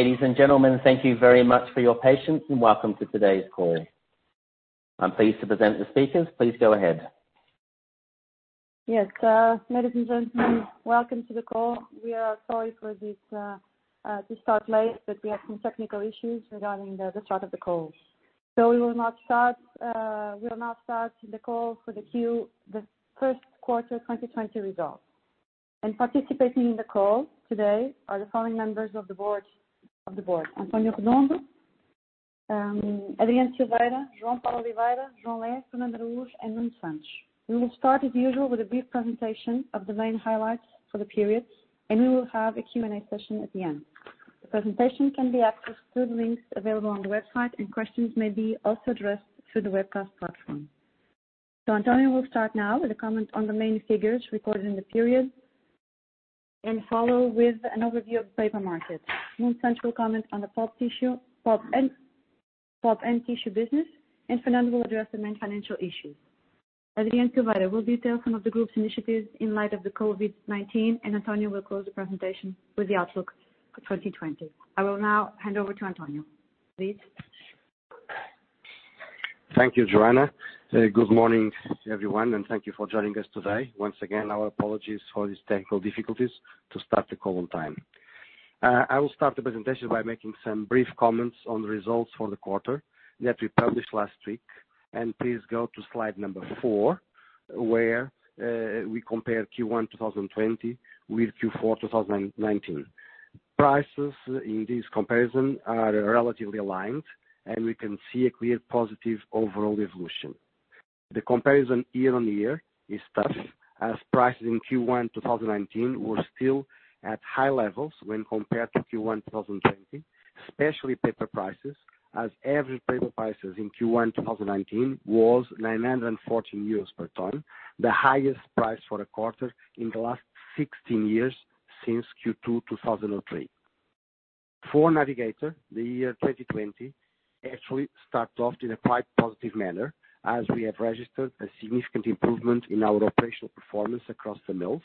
Ladies and gentlemen, thank you very much for your patience, and welcome to today's call. I'm pleased to present the speakers. Please go ahead. Ladies and gentlemen, welcome to the call. We are sorry for to start late, we had some technical issues regarding the start of the call. We will now start the call for the first quarter 2020 results. Participating in the call today are the following members of the board: António Redondo, Adriano Silveira, João Paulo Oliveira, João Lé, Fernando Araújo, and Nuno Santos. We will start, as usual, with a brief presentation of the main highlights for the period, we will have a Q&A session at the end. The presentation can be accessed through the links available on the website, questions may be also addressed through the webcast platform. António will start now with a comment on the main figures recorded in the period, follow with an overview of the paper market. Rui Santos will comment on the pulp and tissue business, and Fernando will address the main financial issues. Adriano Silveira will detail some of the group's initiatives in light of the COVID-19, and António will close the presentation with the outlook for 2020. I will now hand over to António, please. Thank you, Joana. Good morning, everyone. Thank you for joining us today. Once again, our apologies for these technical difficulties to start the call on time. I will start the presentation by making some brief comments on the results for the quarter that we published last week. Please go to slide number four, where we compare Q1 2020 with Q4 2019. Prices in this comparison are relatively aligned. We can see a clear positive overall evolution. The comparison year-on-year is tough as prices in Q1 2019 were still at high levels when compared to Q1 2020, especially paper prices, as average paper prices in Q1 2019 was 914 euros per ton, the highest price for a quarter in the last 16 years since Q2 2003. For Navigator, the year 2020 actually start off in a quite positive manner as we have registered a significant improvement in our operational performance across the mills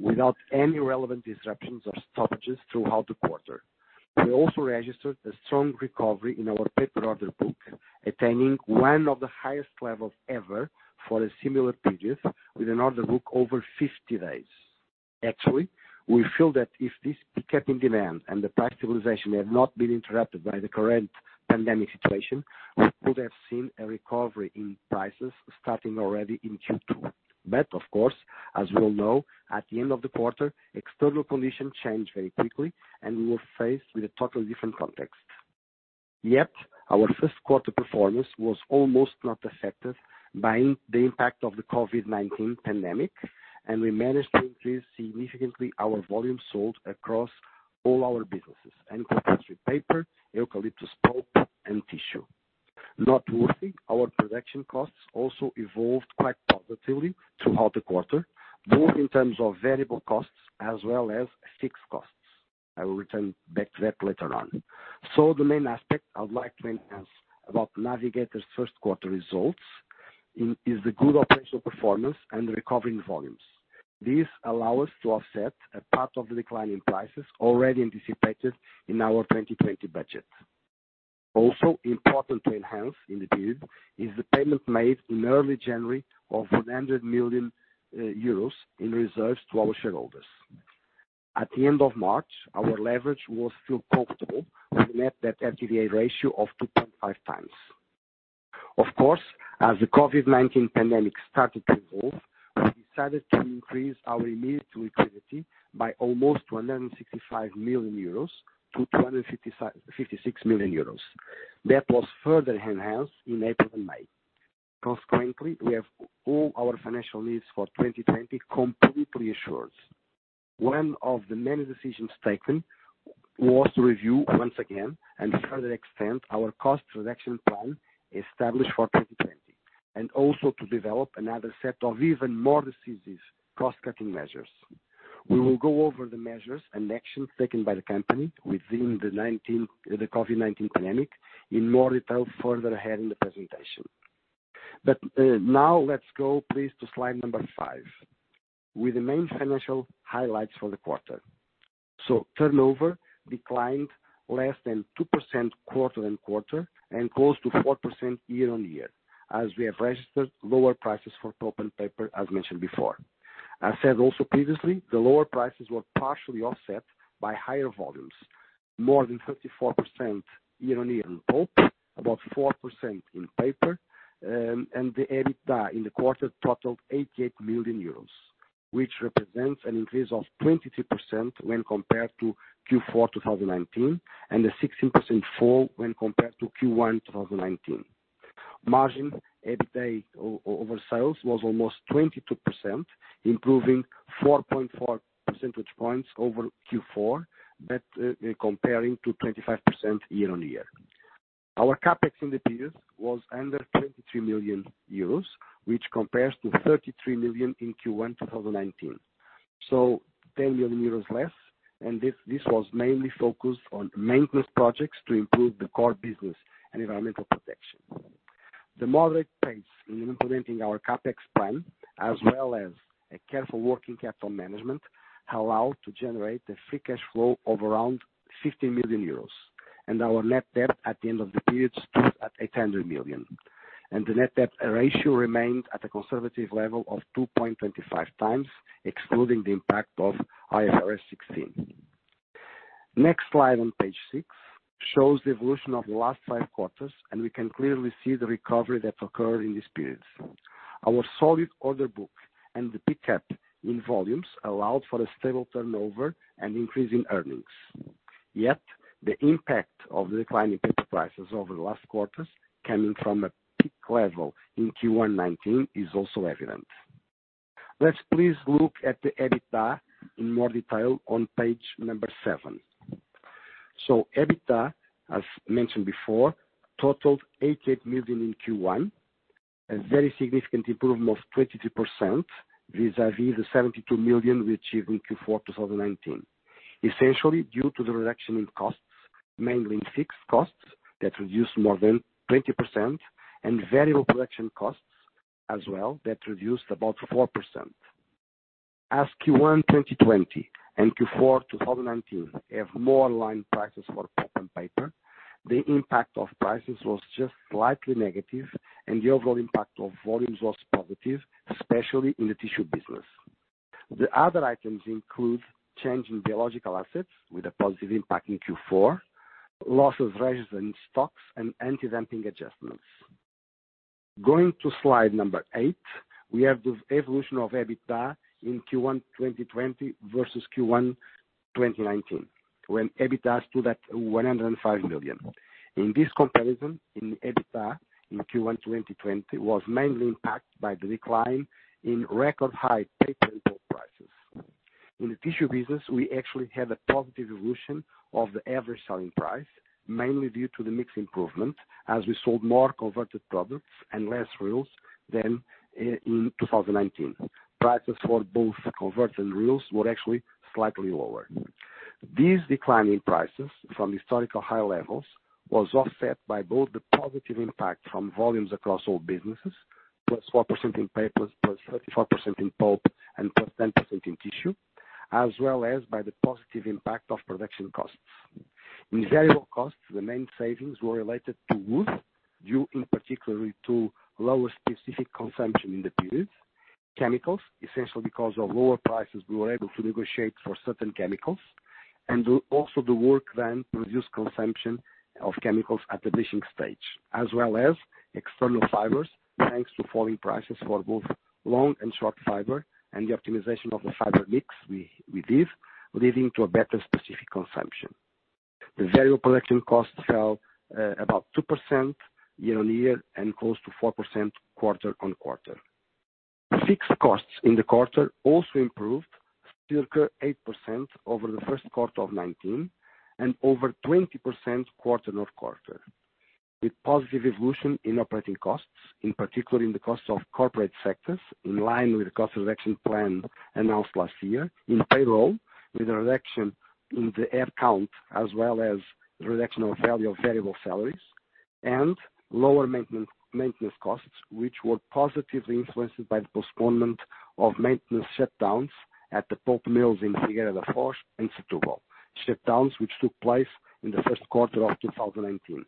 without any relevant disruptions or stoppages throughout the quarter. We also registered a strong recovery in our paper order book, attaining one of the highest levels ever for a similar period, with an order book over 50 days. Actually, we feel that if this pickup in demand and the price stabilization had not been interrupted by the current pandemic situation, we could have seen a recovery in prices starting already in Q2. Of course, as we all know, at the end of the quarter, external conditions changed very quickly, and we were faced with a totally different context. Yet our first quarter performance was almost not affected by the impact of the COVID-19 pandemic, and we managed to increase significantly our volume sold across all our businesses, and uncoated wood-free, eucalyptus pulp and tissue. Noteworthy, our production costs also evolved quite positively throughout the quarter, both in terms of variable costs as well as fixed costs. I will return back to that later on. The main aspect I would like to enhance about Navigator's first quarter results is the good operational performance and the recovery in volumes. This allow us to offset a part of the decline in prices already anticipated in our 2020 budget. Important to enhance in the period is the payment made in early January of 100 million euros in reserves to our shareholders. At the end of March, our leverage was still comfortable with a net debt EBITDA ratio of 2.5 times. As the COVID-19 pandemic started to evolve, we decided to increase our immediate liquidity by almost to 165 million euros to 256 million euros. That was further enhanced in April and May. We have all our financial needs for 2020 completely assured. One of the many decisions taken was to review once again and further extend our cost reduction plan established for 2020, also to develop another set of even more decisive cost-cutting measures. We will go over the measures and actions taken by the company within the COVID-19 pandemic in more detail further ahead in the presentation. Now let's go, please, to slide number five with the main financial highlights for the quarter. Turnover declined less than 2% quarter-on-quarter and close to 4% year-on-year, as we have registered lower prices for pulp and paper as mentioned before. I said also previously, the lower prices were partially offset by higher volumes, more than 34% year-on-year in pulp, about 4% in paper, and the EBITDA in the quarter totaled 88 million euros, which represents an increase of 22% when compared to Q4 2019, and a 16% fall when compared to Q1 2019. Margin EBITDA over sales was almost 22%, improving 4.4 percentage points over Q4, but comparing to 25% year-on-year. Our CapEx in the period was under 22 million euros, which compares to 33 million in Q1 2019. 10 million euros less, and this was mainly focused on maintenance projects to improve the core business and environmental protection. The moderate pace in implementing our CapEx plan, as well as a careful working capital management, allowed to generate a free cash flow of around 50 million euros. Our net debt at the end of the period stood at 800 million. The net debt ratio remained at a conservative level of 2.25 times, excluding the impact of IFRS 16. Next slide on page six shows the evolution of the last five quarters, and we can clearly see the recovery that occurred in this period. Our solid order book and the pickup in volumes allowed for a stable turnover and increase in earnings. Yet, the impact of the decline in paper prices over the last quarters, coming from a peak level in Q1 2019, is also evident. Let's please look at the EBITDA in more detail on page number seven. EBITDA, as mentioned before, totaled 88 million in Q1, a very significant improvement of 22% vis-à-vis the 72 million we achieved in Q4 2019, essentially due to the reduction in costs, mainly in fixed costs that reduced more than 20%, and variable production costs as well, that reduced about 4%. As Q1 2020 and Q4 2019 have more aligned prices for pulp and paper, the impact of prices was just slightly negative, and the overall impact of volumes was positive, especially in the tissue business. The other items include change in biological assets with a positive impact in Q4, loss of reserves and stocks, and anti-dumping adjustments. Going to slide number eight, we have the evolution of EBITDA in Q1 2020 versus Q1 2019, when EBITDA stood at 105 million. In this comparison, in EBITDA in Q1 2020 was mainly impacted by the decline in record high paper and pulp prices. In the tissue business, we actually had a positive evolution of the average selling price, mainly due to the mix improvement as we sold more converted products and less reels than in 2019. Prices for both converted reels were actually slightly lower. These declining prices from historical high levels was offset by both the positive impact from volumes across all businesses, +4% in paper, plus 34% in pulp, and +10% in tissue, as well as by the positive impact of production costs. In variable costs, the main savings were related to wood, due in particularly to lower specific consumption in the period. Chemicals, essentially because of lower prices we were able to negotiate for certain chemicals, and also the work done to reduce consumption of chemicals at the bleaching stage. As well as external fibers, thanks to falling prices for both long and short fiber, and the optimization of the fiber mix we did, leading to a better specific consumption. The variable production cost fell about 2% year-on-year and close to 4% quarter-on-quarter. Fixed costs in the quarter also improved circa 8% over the first quarter of 2019 and over 20% quarter-on-quarter, with positive evolution in operating costs, in particular in the cost of corporate sectors, in line with the cost reduction plan announced last year. In payroll, with a reduction in the head count, as well as the reduction of value of variable salaries and lower maintenance costs, which were positively influenced by the postponement of maintenance shutdowns at the pulp mills in Figueira da Foz and Setúbal, shutdowns which took place in the first quarter of 2019.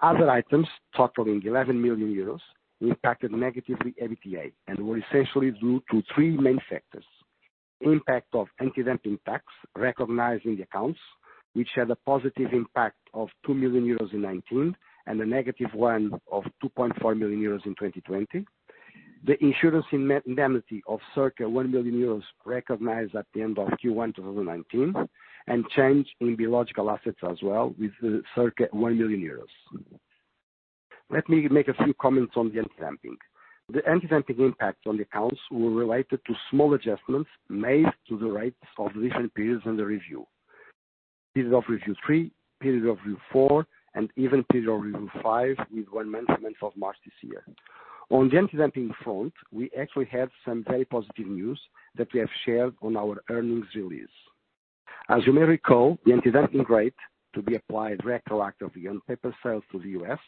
Other items totaling 11 million euros impacted negatively EBITDA, and were essentially due to three main factors: impact of anti-dumping tax recognized in the accounts, which had a positive impact of 2 million euros in 2019, and a negative one of 2.4 million euros in 2020. The insurance indemnity of circa 1 million euros recognized at the end of Q1 2019, and change in biological assets as well with circa 1 million euros. Let me make a few comments on the anti-dumping. The anti-dumping impact on the accounts were related to small adjustments made to the rates of recent periods under review. Period of review three, period of review four, and even period of review five, with one amendment of March this year. On the anti-dumping front, we actually have some very positive news that we have shared on our earnings release. As you may recall, the anti-dumping rate to be applied retroactively on paper sales to the U.S.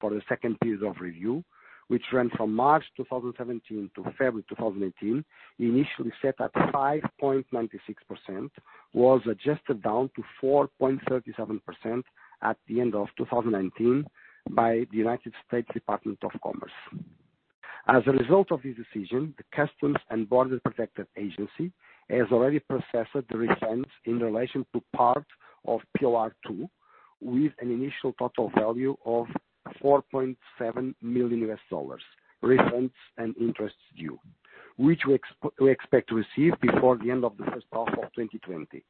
for the second period of review, which ran from March 2017 to February 2018, initially set at 5.96%, was adjusted down to 4.37% at the end of 2019 by the United States Department of Commerce. As a result of this decision, the U.S. Customs and Border Protection has already processed the refunds in relation to part of POR2 with an initial total value of EUR 4.7 million, refunds and interest due, which we expect to receive before the end of the first half of 2020.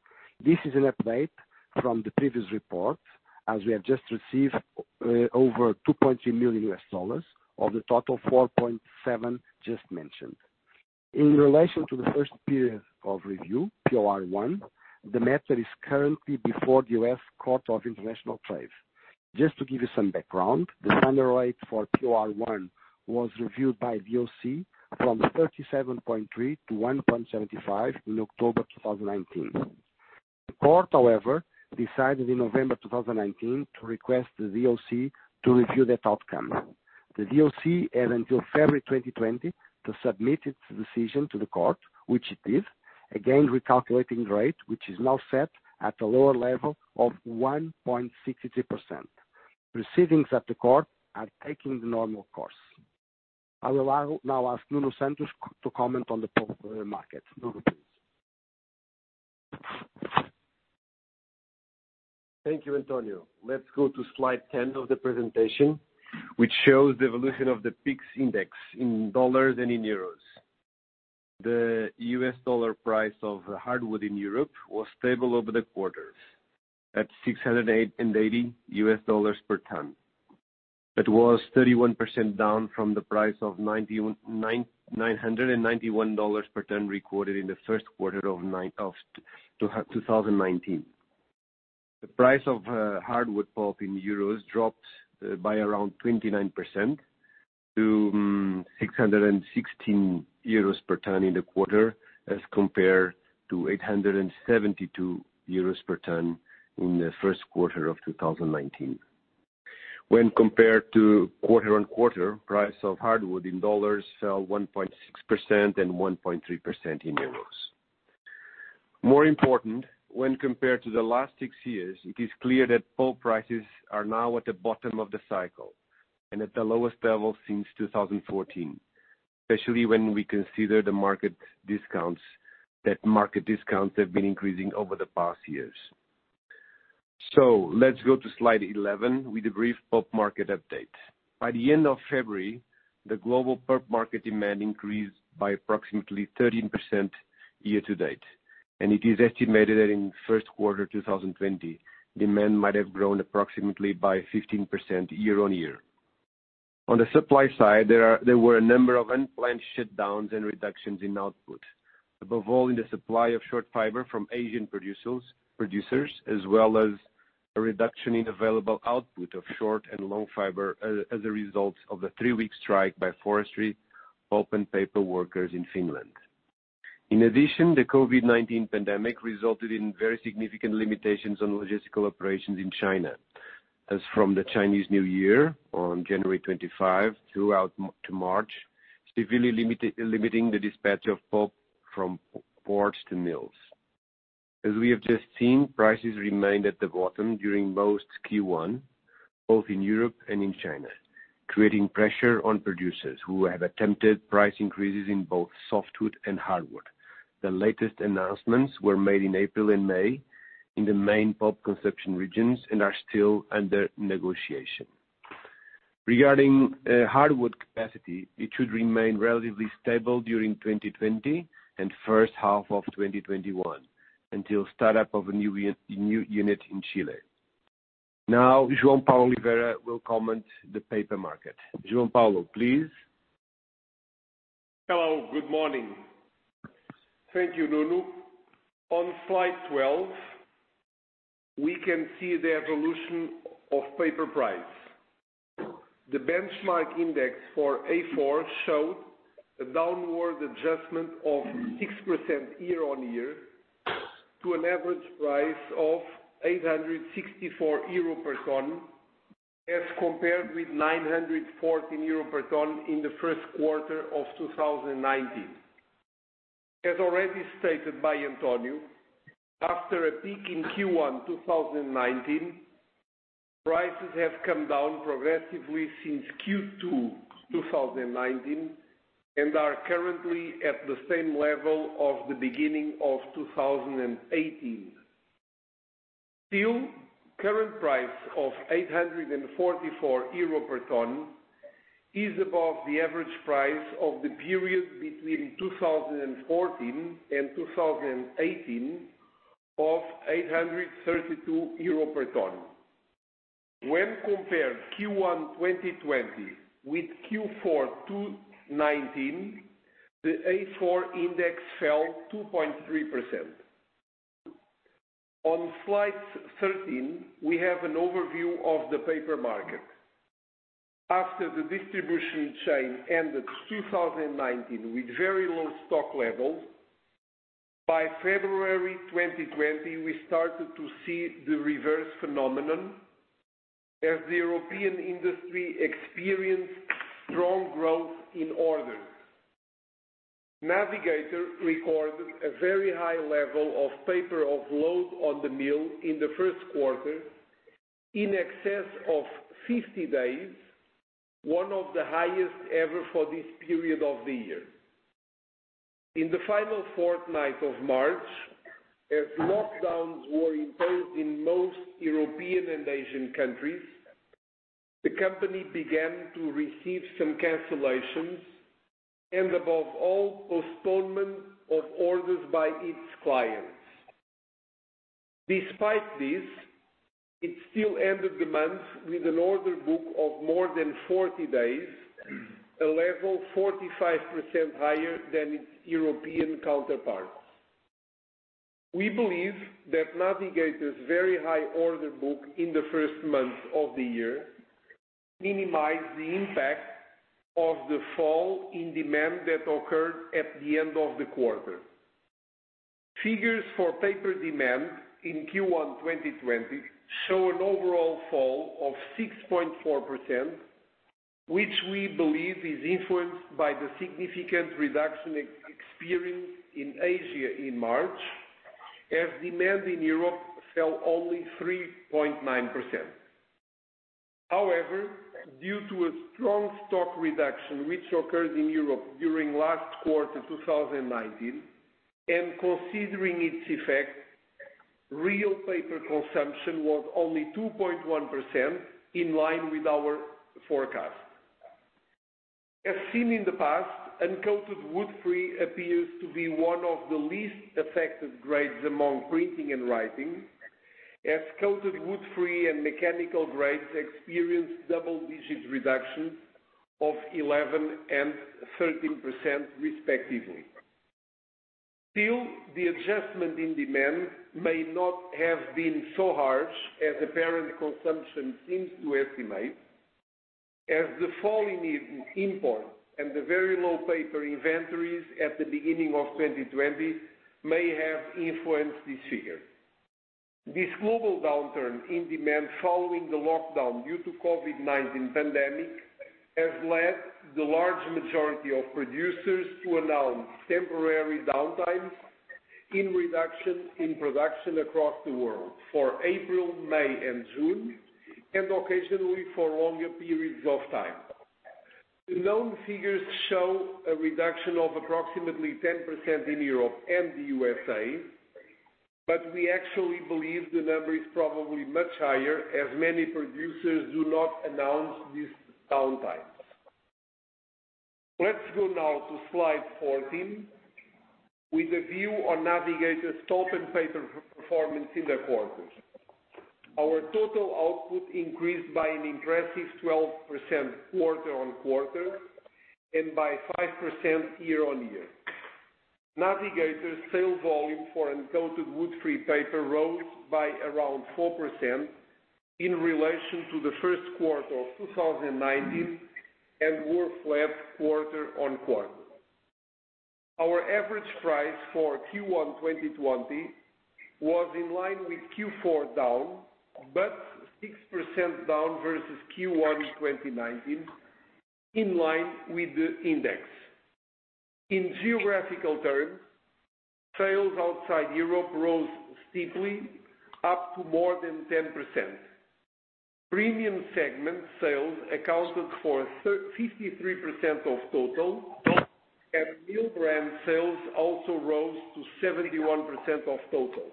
This is an update from the previous report, as we have just received over EUR 2.3 million of the total 4.7 just mentioned. In relation to the first period of review, POR1, the matter is currently before the United States Court of International Trade. Just to give you some background, the final rate for POR1 was reviewed by DOC from 37.3 to 1.75 in October 2019. The court, however, decided in November 2019 to request the DOC to review that outcome. The DOC had until February 2020 to submit its decision to the court, which it did, again recalculating rate, which is now set at a lower level of 1.63%. Proceedings at the court are taking the normal course. I will now ask Nuno Santos to comment on the pulp and paper market. Nuno, please. Thank you, António. Let's go to slide 10 of the presentation, which shows the evolution of the PIX index in dollars and in euros. The US dollar price of hardwood in Europe was stable over the quarters, at $680 per ton. It was 31% down from the price of $991 per ton recorded in the first quarter of 2019. The price of hardwood pulp in euros dropped by around 29% to 616 euros per ton in the quarter, as compared to 872 euros per ton in the first quarter of 2019. When compared to quarter-on-quarter, price of hardwood in dollars fell 1.6% and 1.3% in euros. More important, when compared to the last six years, it is clear that pulp prices are now at the bottom of the cycle and at the lowest level since 2014, especially when we consider the market discounts, that market discounts have been increasing over the past years. Let's go to slide 11 with a brief pulp market update. By the end of February, the global pulp market demand increased by approximately 13% year-to-date, and it is estimated that in the first quarter 2020, demand might have grown approximately by 15% year-on-year. On the supply side, there were a number of unplanned shutdowns and reductions in output. Above all, in the supply of short fiber from Asian producers, as well as a reduction in available output of short and long fiber as a result of the three-week strike by forestry pulp and paper workers in Finland. In addition, the COVID-19 pandemic resulted in very significant limitations on logistical operations in China. As from the Chinese New Year on January 25, throughout to March, severely limiting the dispatch of pulp from ports to mills. As we have just seen, prices remained at the bottom during most Q1, both in Europe and in China, creating pressure on producers who have attempted price increases in both softwood and hardwood. The latest announcements were made in April and May in the main pulp consumption regions and are still under negotiation. Regarding hardwood capacity, it should remain relatively stable during 2020 and first half of 2021, until start-up of a new unit in Chile. João Paulo Oliveira will comment the paper market. João Paulo, please. Hello, good morning. Thank you, Nuno. On slide 12, we can see the evolution of paper price. The benchmark index for A4 showed a downward adjustment of 6% year-on-year to an average price of 864 euro per ton, as compared with 914 euro per ton in the first quarter of 2019. As already stated by António, after a peak in Q1 2019, prices have come down progressively since Q2 2019 and are currently at the same level of the beginning of 2018. Current price of 844 euro per ton is above the average price of the period between 2014 and 2018 of 832 euro per ton. When compared Q1 2020 with Q4 2019, the A4 index fell 2.3%. On slide 13, we have an overview of the paper market. After the distribution chain ended 2019 with very low stock levels, by February 2020, we started to see the reverse phenomenon as the European industry experienced strong growth in orders. Navigator recorded a very high level of paper offload on the mill in the first quarter, in excess of 50 days, one of the highest ever for this period of the year. In the final fortnight of March, as lockdowns were imposed in most European and Asian countries, the company began to receive some cancellations and above all, postponement of orders by its clients. Despite this, it still ended the month with an order book of more than 40 days, a level 45% higher than its European counterparts. We believe that Navigator's very high order book in the first months of the year. Minimize the impact of the fall in demand that occurred at the end of the quarter. Figures for paper demand in Q1 2020 show an overall fall of 6.4%, which we believe is influenced by the significant reduction experienced in Asia in March, as demand in Europe fell only 3.9%. However, due to a strong stock reduction which occurred in Europe during last quarter 2019, and considering its effect, real paper consumption was only 2.1%, in line with our forecast. As seen in the past, uncoated wood-free appears to be one of the least affected grades among printing and writing, as coated wood-free and mechanical grades experienced double-digit reductions of 11% and 13% respectively. Still, the adjustment in demand may not have been so harsh as apparent consumption seems to estimate, as the fall in imports and the very low paper inventories at the beginning of 2020 may have influenced this figure. This global downturn in demand following the lockdown due to COVID-19 pandemic, has led the large majority of producers to announce temporary downtimes in reduction in production across the world for April, May, and June, and occasionally for longer periods of time. The known figures show a reduction of approximately 10% in Europe and the USA, but we actually believe the number is probably much higher as many producers do not announce these downtimes. Let's go now to slide 14 with a view on Navigator's pulp and paper performance in the quarter. Our total output increased by an impressive 12% quarter-on-quarter and by 5% year-on-year. Navigator's sales volume for uncoated wood-free paper rose by around 4% in relation to the first quarter of 2019 and were flat quarter-on-quarter. Our average price for Q1 2020 was in line with Q4 down, but 6% down versus Q1 2019, in line with the index. In geographical terms, sales outside Europe rose steeply, up to more than 10%. Premium segment sales accounted for 53% of total, and mill brand sales also rose to 71% of total.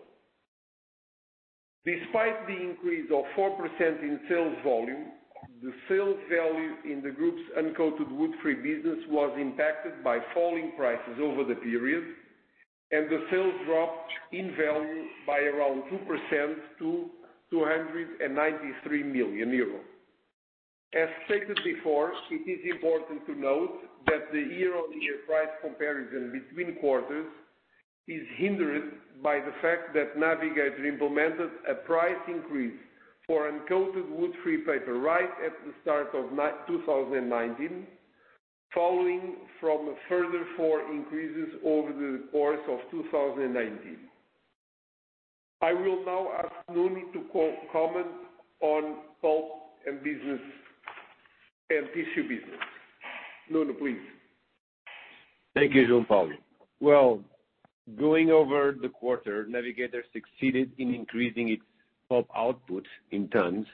Despite the increase of 4% in sales volume, the sales value in the group's uncoated wood-free business was impacted by falling prices over the period, and the sales dropped in value by around 2% to 293 million euros. As stated before, it is important to note that the year-on-year price comparison between quarters is hindered by the fact that Navigator implemented a price increase for uncoated wood-free paper right at the start of 2019, following from further four increases over the course of 2019. I will now ask Nuno to comment on pulp and tissue business. Nuno, please. Thank you, João Paulo. Well, going over the quarter, Navigator succeeded in increasing its pulp output in tons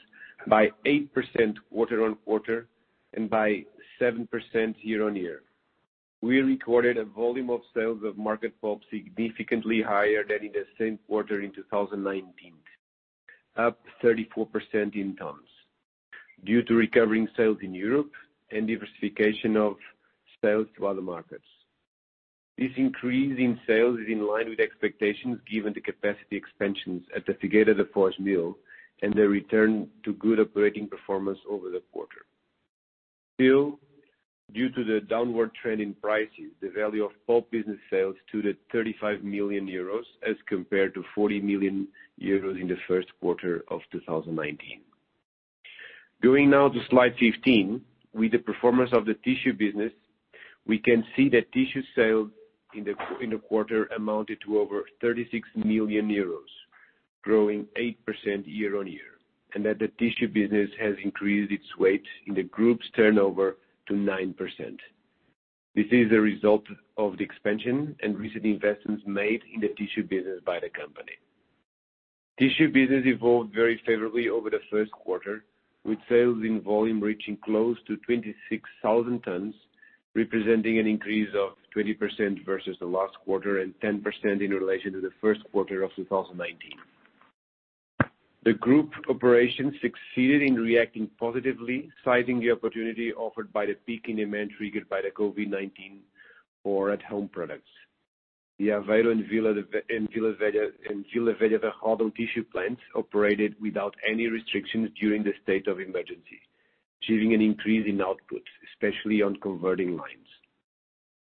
by 8% quarter-on-quarter and by 7% year-on-year. We recorded a volume of sales of market pulp significantly higher than in the same quarter in 2019, up 34% in tons, due to recovering sales in Europe and diversification of sales to other markets. This increase in sales is in line with expectations given the capacity expansions at the Figueira da Foz mill and the return to good operating performance over the quarter. Still, due to the downward trend in pricing, the value of pulp business sales stood at 35 million euros as compared to 40 million euros in the first quarter of 2019. Going now to slide 15, with the performance of the tissue business, we can see that tissue sales in the quarter amounted to over 36 million euros, growing 8% year-on-year, and that the tissue business has increased its weight in the group's turnover to 9%. This is a result of the expansion and recent investments made in the tissue business by the company. Tissue business evolved very favorably over the first quarter, with sales in volume reaching close to 26,000 tons, representing an increase of 20% versus the last quarter and 10% in relation to the first quarter of 2019. The group operation succeeded in reacting positively, sizing the opportunity offered by the peak in demand triggered by the COVID-19 for at home products. The Aveiro and Vila Nova de Ródão tissue plants operated without any restrictions during the state of emergency, achieving an increase in output, especially on converting lines.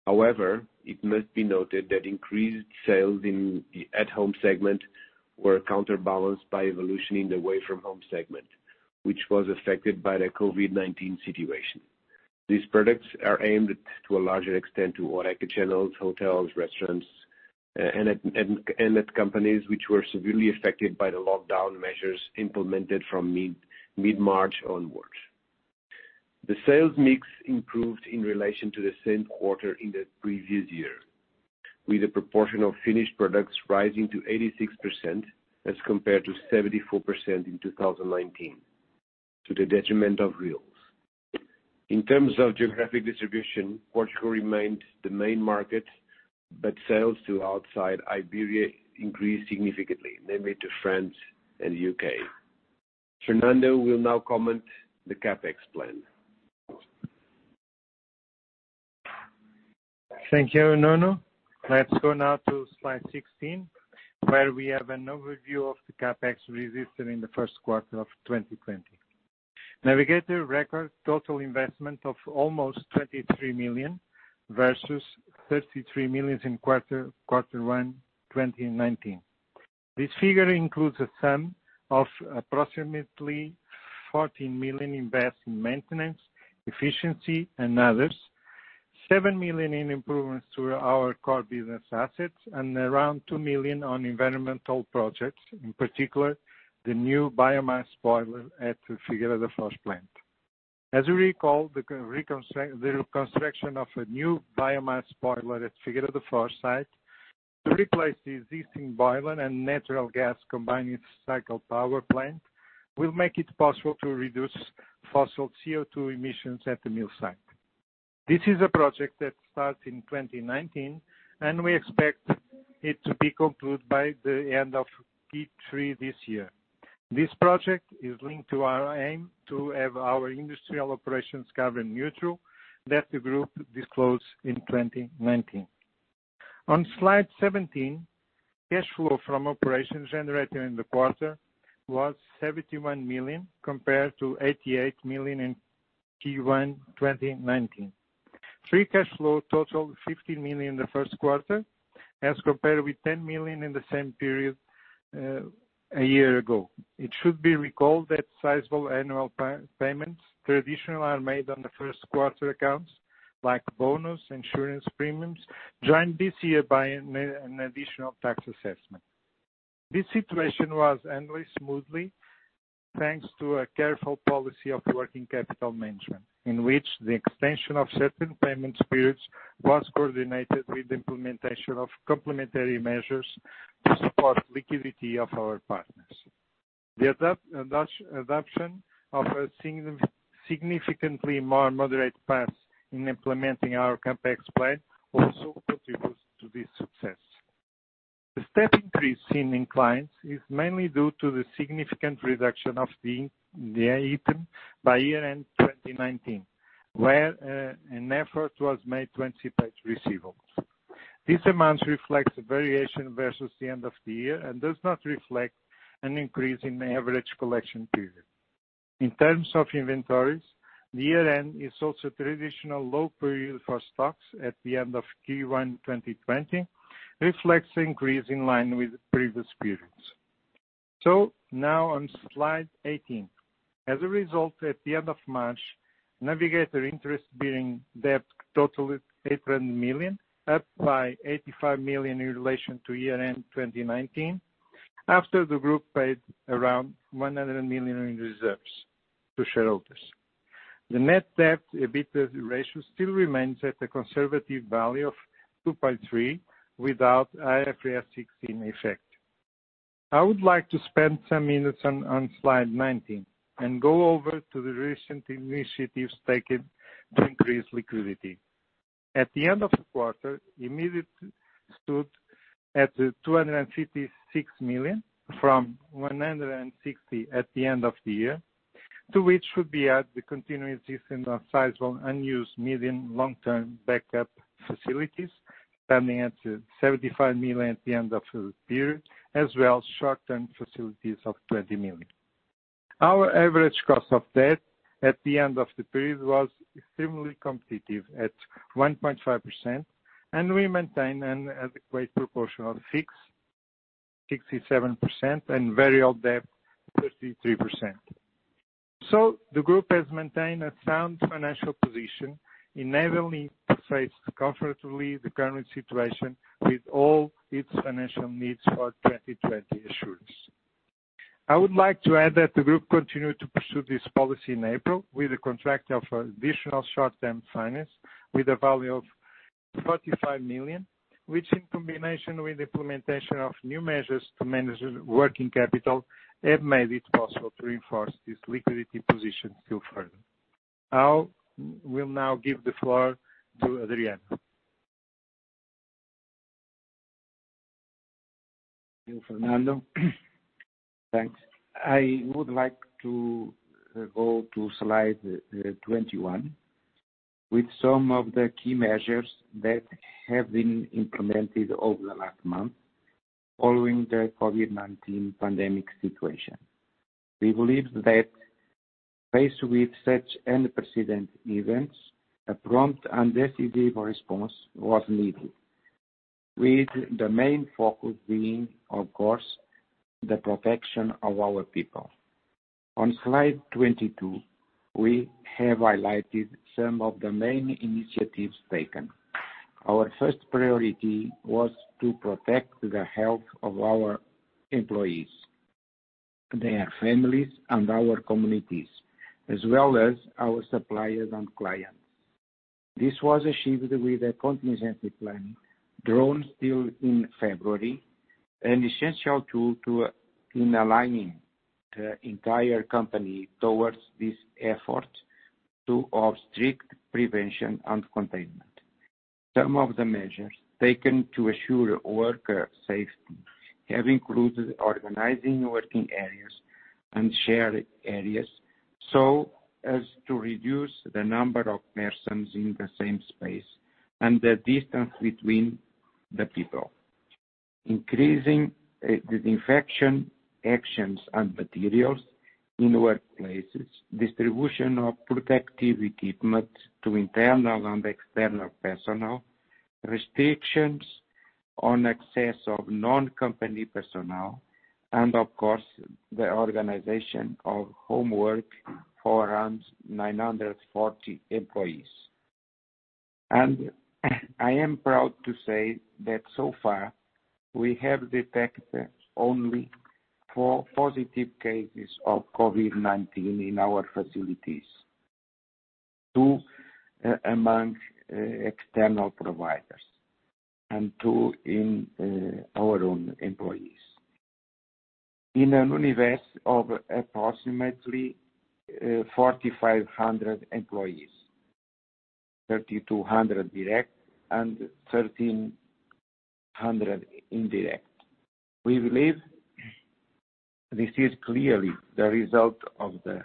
However, it must be noted that increased sales in the at-home segment were counterbalanced by evolution in the away-from-home segment, which was affected by the COVID-19 situation. These products are aimed to a larger extent to HoReCa channels, hotels, restaurants, and at companies which were severely affected by the lockdown measures implemented from mid-March onwards. The sales mix improved in relation to the same quarter in the previous year, with a proportion of finished products rising to 86% as compared to 74% in 2019, to the detriment of reels. In terms of geographic distribution, Portugal remained the main market, but sales to outside Iberia increased significantly, namely to France and the U.K. Fernando will now comment the CapEx plan. Thank you, Nuno. Let's go now to slide 16, where we have an overview of the CapEx registered in the first quarter of 2020. Navigator record total investment of almost 23 million versus 33 million in quarter one 2019. This figure includes a sum of approximately 14 million invested in maintenance, efficiency, and others, 7 million in improvements to our core business assets, and around 2 million on environmental projects, in particular, the new biomass boiler at the Figueira da Foz plant. As you recall, the reconstruction of a new biomass boiler at Figueira da Foz site to replace the existing boiler and natural gas combined cycle power plant, will make it possible to reduce fossil CO2 emissions at the mill site. This is a project that started in 2019. We expect it to be concluded by the end of Q3 this year. This project is linked to our aim to have our industrial operations carbon neutral that the group disclosed in 2019. On slide 17, cash flow from operations generated in the quarter was 71 million compared to 88 million in Q1 2019. Free cash flow totaled 15 million in the first quarter as compared with 10 million in the same period a year ago. It should be recalled that sizable annual payments traditionally are made on the first quarter accounts, like bonus, insurance premiums, joined this year by an additional tax assessment. This situation was handled smoothly, thanks to a careful policy of working capital management, in which the extension of certain payment periods was coordinated with the implementation of complementary measures to support liquidity of our partners. The adoption of a significantly more moderate path in implementing our CapEx plan also contributes to this success. The step increase seen in clients is mainly due to the significant reduction of the item by year-end 2019, where an effort was made to anticipate receivables. These amounts reflect the variation versus the end of the year and does not reflect an increase in the average collection period. In terms of inventories, the year-end is also a traditional low period for stocks at the end of Q1 2020, reflects the increase in line with previous periods. Now on slide 18. As a result, at the end of March, Navigator interest-bearing debt totaled 800 million, up by 85 million in relation to year-end 2019, after the group paid around 100 million in reserves to shareholders. The net debt EBITDA ratio still remains at a conservative value of 2.3 without IFRS 16 effect. I would like to spend some minutes on slide 19 and go over to the recent initiatives taken to increase liquidity. At the end of the quarter, immediate stood at 256 million from 160 million at the end of the year. To which should be at the continuing existing of sizable unused medium long-term backup facilities, coming at 75 million at the end of the period, as well as short-term facilities of 20 million. Our average cost of debt at the end of the period was extremely competitive at 1.5%. We maintain an adequate proportion of fixed, 67%, and variable debt, 33%. The group has maintained a sound financial position, enabling to face comfortably the current situation with all its financial needs for 2020 assured. I would like to add that the group continued to pursue this policy in April with the contract of additional short-term finance with a value of 45 million, which in combination with the implementation of new measures to manage working capital, have made it possible to reinforce this liquidity position still further. I will now give the floor to Adriano. Thank you, Fernando. Thanks. I would like to go to slide 21 with some of the key measures that have been implemented over the last month following the COVID-19 pandemic situation. Faced with such unprecedented events, a prompt and decisive response was needed, with the main focus being, of course, the protection of our people. On slide 22, we have highlighted some of the main initiatives taken. Our first priority was to protect the health of our employees, their families, and our communities, as well as our suppliers and clients. This was achieved with a contingency plan drawn still in February, an essential tool in aligning the entire company towards this effort of strict prevention and containment. Some of the measures taken to assure worker safety have included organizing working areas and shared areas, so as to reduce the number of persons in the same space and the distance between the people. Increasing disinfection actions and materials in workplaces, distribution of protective equipment to internal and external personnel, restrictions on access of non-company personnel, of course, the organization of homework for around 940 employees. I am proud to say that so far we have detected only four positive cases of COVID-19 in our facilities. Two among external providers and two in our own employees. In a universe of approximately 4,500 employees, 3,200 direct and 1,300 indirect. We believe this is clearly the result of the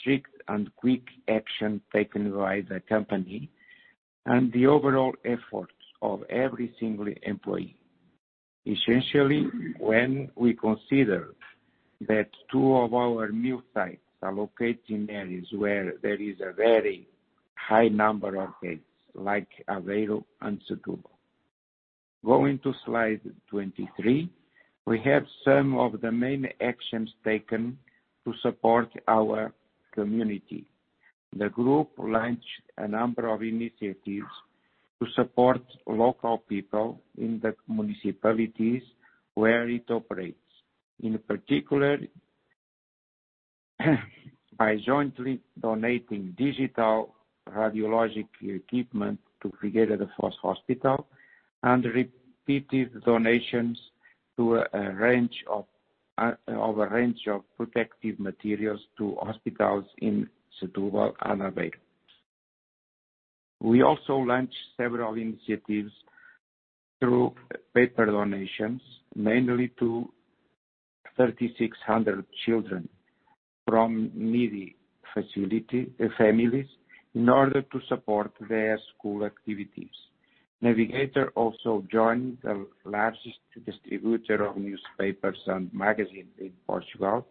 strict and quick action taken by the company and the overall efforts of every single employee. When we consider that two of our mill sites are located in areas where there is a very high number of cases, like Aveiro and Setúbal. Going to slide 23. We have some of the main actions taken to support our community. The group launched a number of initiatives to support local people in the municipalities where it operates. In particular, by jointly donating digital radiologic equipment to Figueira da Foz Hospital, and repeated donations of a range of protective materials to hospitals in Setúbal and Aveiro. We also launched several initiatives through paper donations, mainly to 3,600 children from needy families, in order to support their school activities. Navigator also joined the largest distributor of newspapers and magazines in Portugal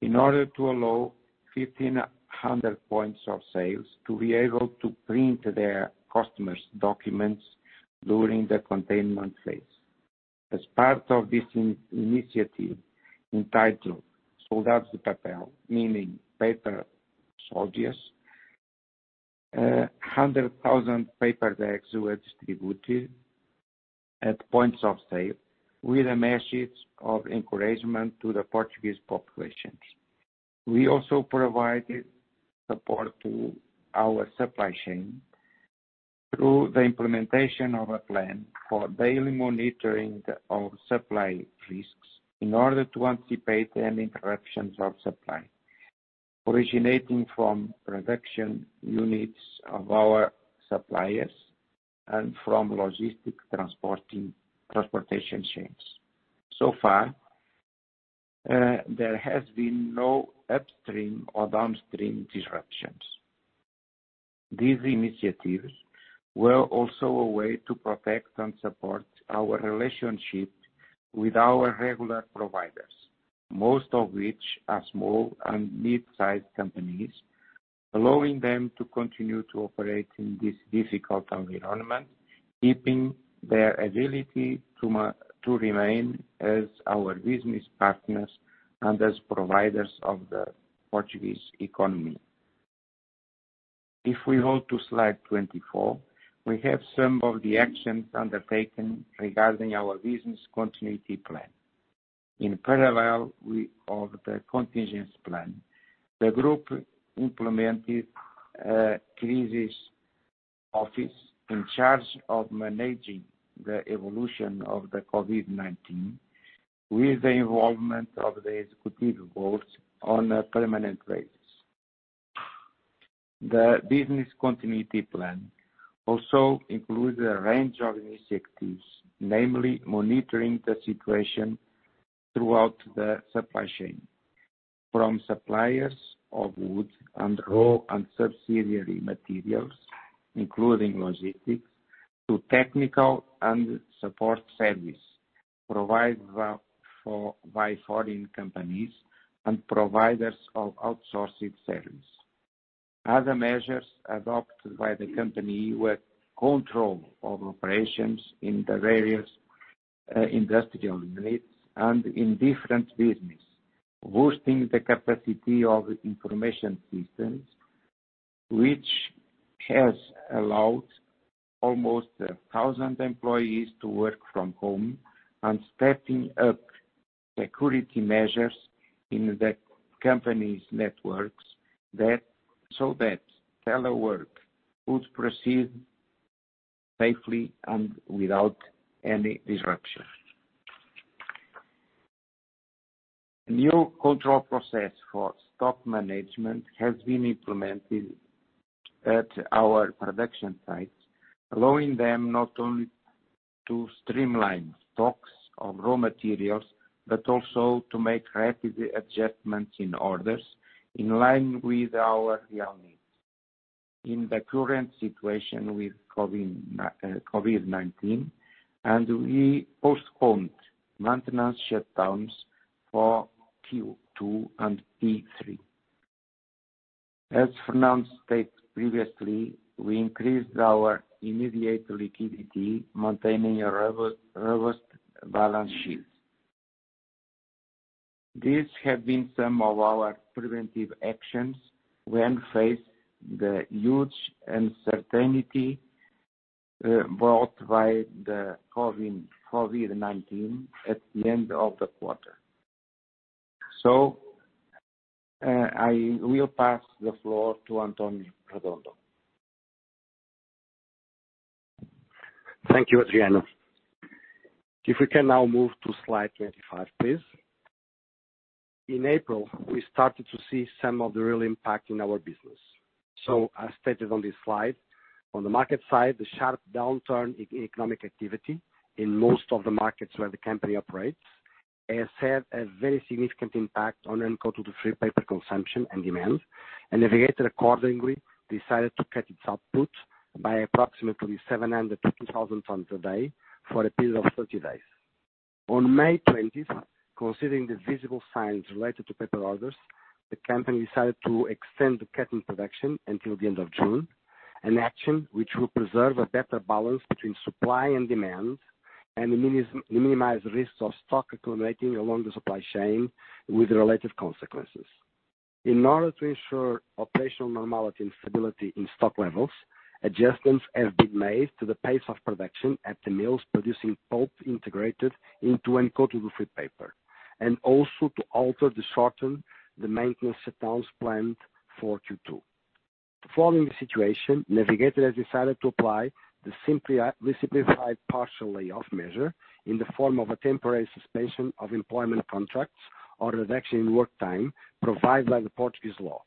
in order to allow 1,500 points of sales to be able to print their customers' documents during the containment phase. As part of this initiative, entitled Soldados de Papel, meaning paper soldiers, 100,000 paper bags were distributed at points of sale with a message of encouragement to the Portuguese populations. We also provided support to our supply chain through the implementation of a plan for daily monitoring of supply risks, in order to anticipate any interruptions of supply originating from production units of our suppliers and from logistic transportation chains. So far, there has been no upstream or downstream disruptions. These initiatives were also a way to protect and support our relationship with our regular providers, most of which are small and mid-sized companies, allowing them to continue to operate in this difficult environment, keeping their ability to remain as our business partners and as providers of the Portuguese economy. If we go to slide 24, we have some of the actions undertaken regarding our business continuity plan. In parallel of the contingency plan, the group implemented a crisis office in charge of managing the evolution of the COVID-19, with the involvement of the executive board on a permanent basis. The business continuity plan also includes a range of initiatives, namely monitoring the situation throughout the supply chain, from suppliers of wood and raw and subsidiary materials, including logistics to technical and support service provided by foreign companies and providers of outsourcing services. Other measures adopted by the company were control of operations in the various industrial units and in different business, boosting the capacity of information systems, which has allowed almost 1,000 employees to work from home, and stepping up security measures in the company's networks so that telework could proceed safely and without any disruption. New control process for stock management has been implemented at our production sites, allowing them not only to streamline stocks of raw materials, but also to make rapid adjustments in orders in line with our real needs. In the current situation with COVID-19, we postponed maintenance shutdowns for Q2 and Q3. As Fernando stated previously, we increased our immediate liquidity, maintaining a robust balance sheet. These have been some of our preventive actions when faced the huge uncertainty brought by the COVID-19 at the end of the quarter. I will pass the floor to António Redondo. Thank you, Adriano. We can now move to slide 25, please. In April, we started to see some of the real impact in our business. As stated on this slide, on the market side, the sharp downturn in economic activity in most of the markets where the company operates has had a very significant impact on uncoated wood-free paper consumption and demand. Navigator accordingly decided to cut its output by approximately 750,000 tons a day for a period of 30 days. On May 20th, considering the visible signs related to paper orders, the company decided to extend the cut in production until the end of June, an action which will preserve a better balance between supply and demand and minimize risks of stock accumulating along the supply chain with the related consequences. In order to ensure operational normality and stability in stock levels, adjustments have been made to the pace of production at the mills producing pulp integrated into uncoated wood-free paper, and also to alter the shortened maintenance shutdowns planned for Q2. Following the situation, Navigator has decided to apply the simplified partial layoff measure in the form of a temporary suspension of employment contracts or reduction in work time provided by the Portuguese law.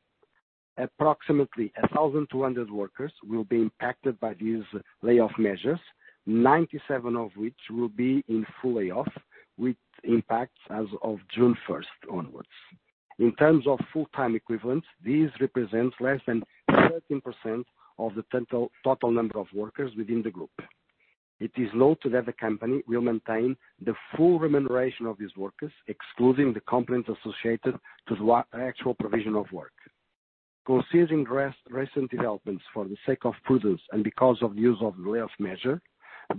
Approximately 1,200 workers will be impacted by these layoff measures, 97 of which will be in full layoff, with impacts as of June 1st onwards. In terms of full-time equivalents, these represent less than 13% of the total number of workers within the group. It is noted that the company will maintain the full remuneration of these workers, excluding the component associated to the actual provision of work. Considering recent developments for the sake of prudence and because of use of layoff measure,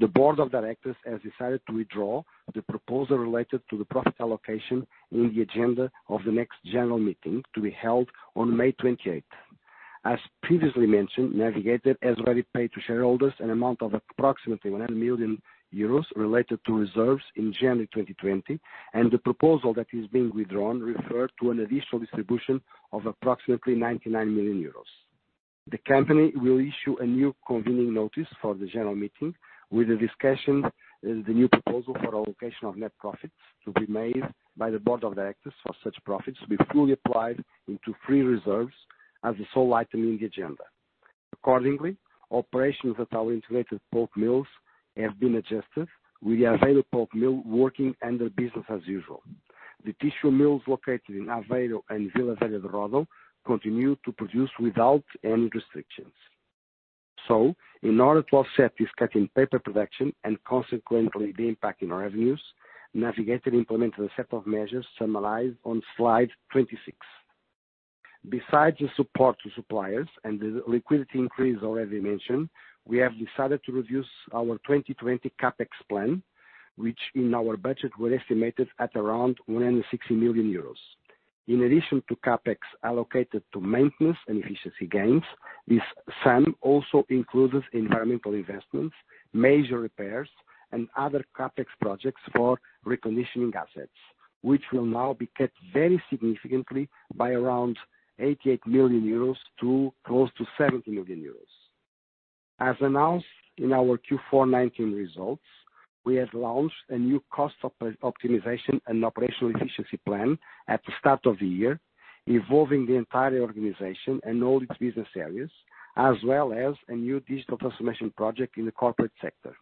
the board of directors has decided to withdraw the proposal related to the profit allocation in the agenda of the next general meeting to be held on May 28. As previously mentioned, Navigator has already paid to shareholders an amount of approximately 100 million euros related to reserves in January 2020, and the proposal that is being withdrawn referred to an additional distribution of approximately 99 million euros. The company will issue a new convening notice for the general meeting with the discussion the new proposal for allocation of net profits to be made by the board of directors for such profits to be fully applied into free reserves as the sole item in the agenda. Accordingly, operations at our integrated pulp mills have been adjusted, with the available pulp mill working under business as usual. The tissue mills located in Aveiro and Vila Velha de Ródão continue to produce without any restrictions. In order to offset this cut in paper production and consequently the impact in revenues, Navigator implemented a set of measures summarized on slide 26. Besides the support to suppliers and the liquidity increase already mentioned, we have decided to reduce our 2020 CapEx plan, which in our budget were estimated at around 160 million euros. In addition to CapEx allocated to maintenance and efficiency gains, this sum also includes environmental investments, major repairs, and other CapEx projects for reconditioning assets, which will now be cut very significantly by around 88 million euros to close to 70 million euros. As announced in our Q4 2019 results, we have launched a new cost optimization and operational efficiency plan at the start of the year, involving the entire organization and all its business areas, as well as a new digital transformation project in the corporate sector.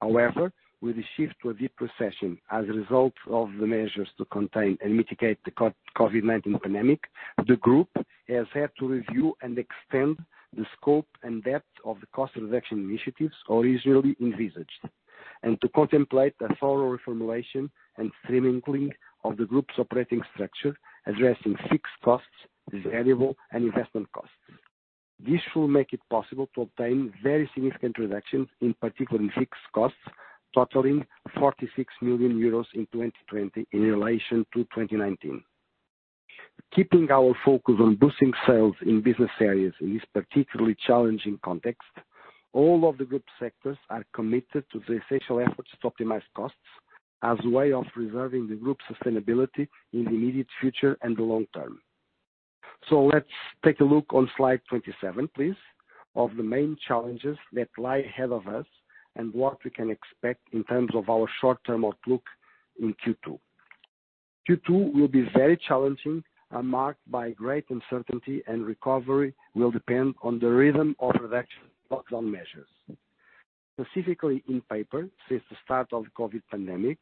However, with the shift to a deep recession as a result of the measures to contain and mitigate the COVID-19 pandemic, the group has had to review and extend the scope and depth of the cost reduction initiatives originally envisaged, and to contemplate a thorough reformulation and streamlining of the group's operating structure, addressing fixed costs, variable, and investment costs. This will make it possible to obtain very significant reductions, in particular in fixed costs, totaling 46 million euros in 2020 in relation to 2019. Keeping our focus on boosting sales in business areas in this particularly challenging context, all of the group sectors are committed to the essential efforts to optimize costs as a way of preserving the group's sustainability in the immediate future and the long term. Let's take a look on slide 27 please, of the main challenges that lie ahead of us and what we can expect in terms of our short-term outlook in Q2. Q2 will be very challenging and marked by great uncertainty, and recovery will depend on the rhythm of reduction of lockdown measures. Specifically in paper, since the start of the COVID-19 pandemic,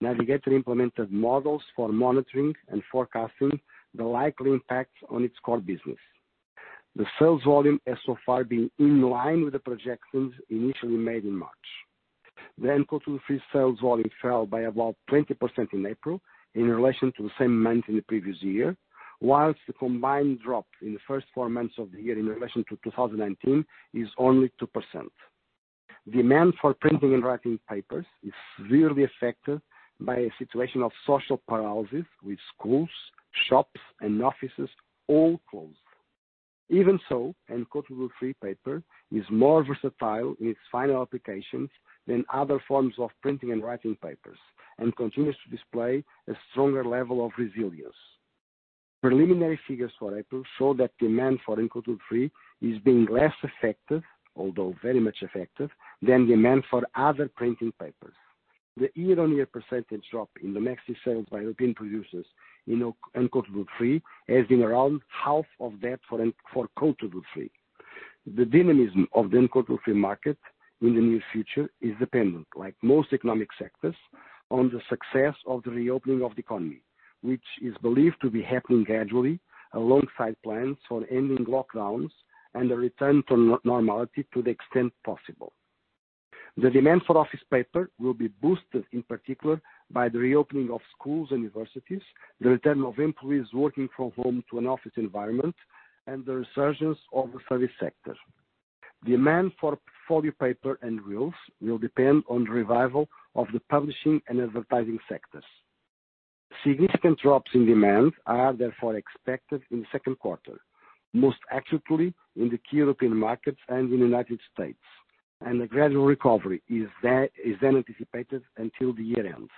Navigator implemented models for monitoring and forecasting the likely impact on its core business. The sales volume has so far been in line with the projections initially made in March. The uncoated wood-free sales volume fell by about 20% in April in relation to the same month in the previous year, while the combined drop in the first four months of the year in relation to 2019 is only 2%. Demand for printing and writing papers is severely affected by a situation of social paralysis, with schools, shops, and offices all closed. Even so, uncoated wood-free paper is more versatile in its final applications than other forms of printing and writing papers, and continues to display a stronger level of resilience. Preliminary figures for April show that demand for uncoated wood-free is being less affected, although very much affected, than demand for other printing papers. The year-on-year percentage drop in the maxi sales by European producers in uncoated wood-free has been around half of that for coated wood-free. The dynamism of the uncoated wood-free market in the near future is dependent, like most economic sectors, on the success of the reopening of the economy, which is believed to be happening gradually alongside plans for ending lockdowns and a return to normality to the extent possible. The demand for office paper will be boosted, in particular, by the reopening of schools and universities, the return of employees working from home to an office environment, and the resurgence of the service sector. Demand for folio paper and reels will depend on the revival of the publishing and advertising sectors. Significant drops in demand are therefore expected in the second quarter, most acutely in the key European markets and in the U.S., and a gradual recovery is then anticipated until the year ends.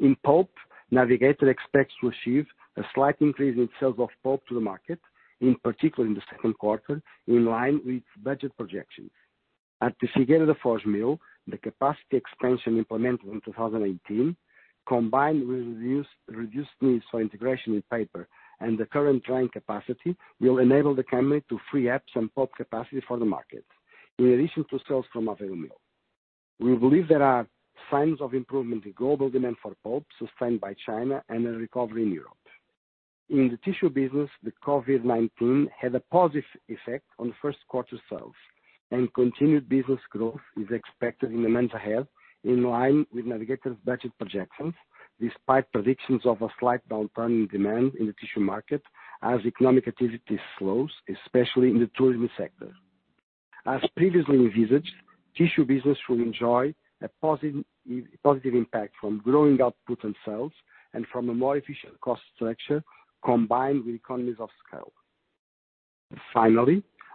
In pulp, Navigator expects to achieve a slight increase in sales of pulp to the market, in particular in the second quarter, in line with budget projections. At the Figueira da Foz mill, the capacity expansion implemented in 2018, combined with reduced needs for integration with paper and the current drying capacity, will enable the company to free up some pulp capacity for the market, in addition to sales from Aveiro mill. We believe there are signs of improvement in global demand for pulp sustained by China and a recovery in Europe. In the tissue business, the COVID-19 had a positive effect on first quarter sales, and continued business growth is expected in the months ahead, in line with Navigator's budget projections, despite predictions of a slight downturn in demand in the tissue market as economic activity slows, especially in the tourism sector. As previously envisaged, tissue business will enjoy a positive impact from growing output and sales and from a more efficient cost structure combined with economies of scale.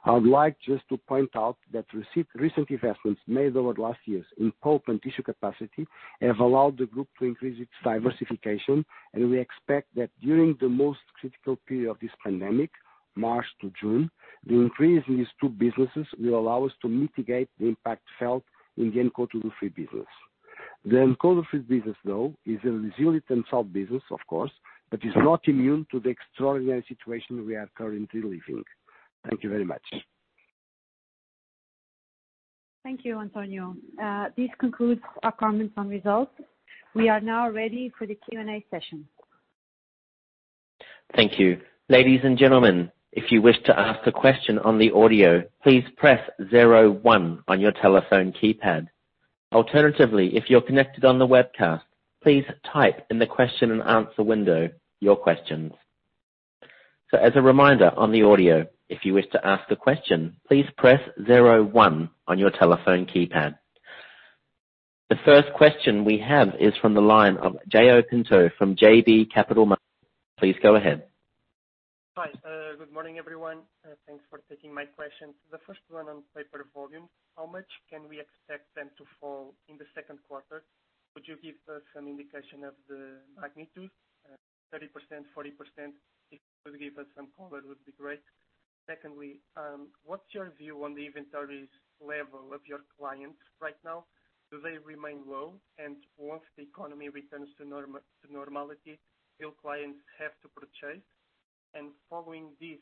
I would like just to point out that recent investments made over the last years in pulp and tissue capacity have allowed the group to increase its diversification, and we expect that during the most critical period of this pandemic, March to June, the increase in these two businesses will allow us to mitigate the impact felt in the uncoated wood-free business. The uncoated wood-free business, though, is a resilient and sound business, of course, but is not immune to the extraordinary situation we are currently living. Thank you very much. Thank you, António. This concludes our comments on results. We are now ready for the Q&A session. Thank you. Ladies and gentlemen, if you wish to ask a question on the audio, please press zero one on your telephone keypad. Alternatively, if you're connected on the webcast, please type in the question-and-answer window your questions. As a reminder on the audio, if you wish to ask a question, please press zero one on your telephone keypad. The first question we have is from the line of João Pinto from JB Capital Markets. Please go ahead. Hi. Good morning, everyone. Thanks for taking my question. The first one on paper volumes, how much can we expect them to fall in the second quarter? Could you give us an indication of the magnitude? 30%, 40%? If you could give us some color, it would be great. Secondly, what's your view on the inventories level of your clients right now? Do they remain low, and once the economy returns to normality, will clients have to purchase? Following this,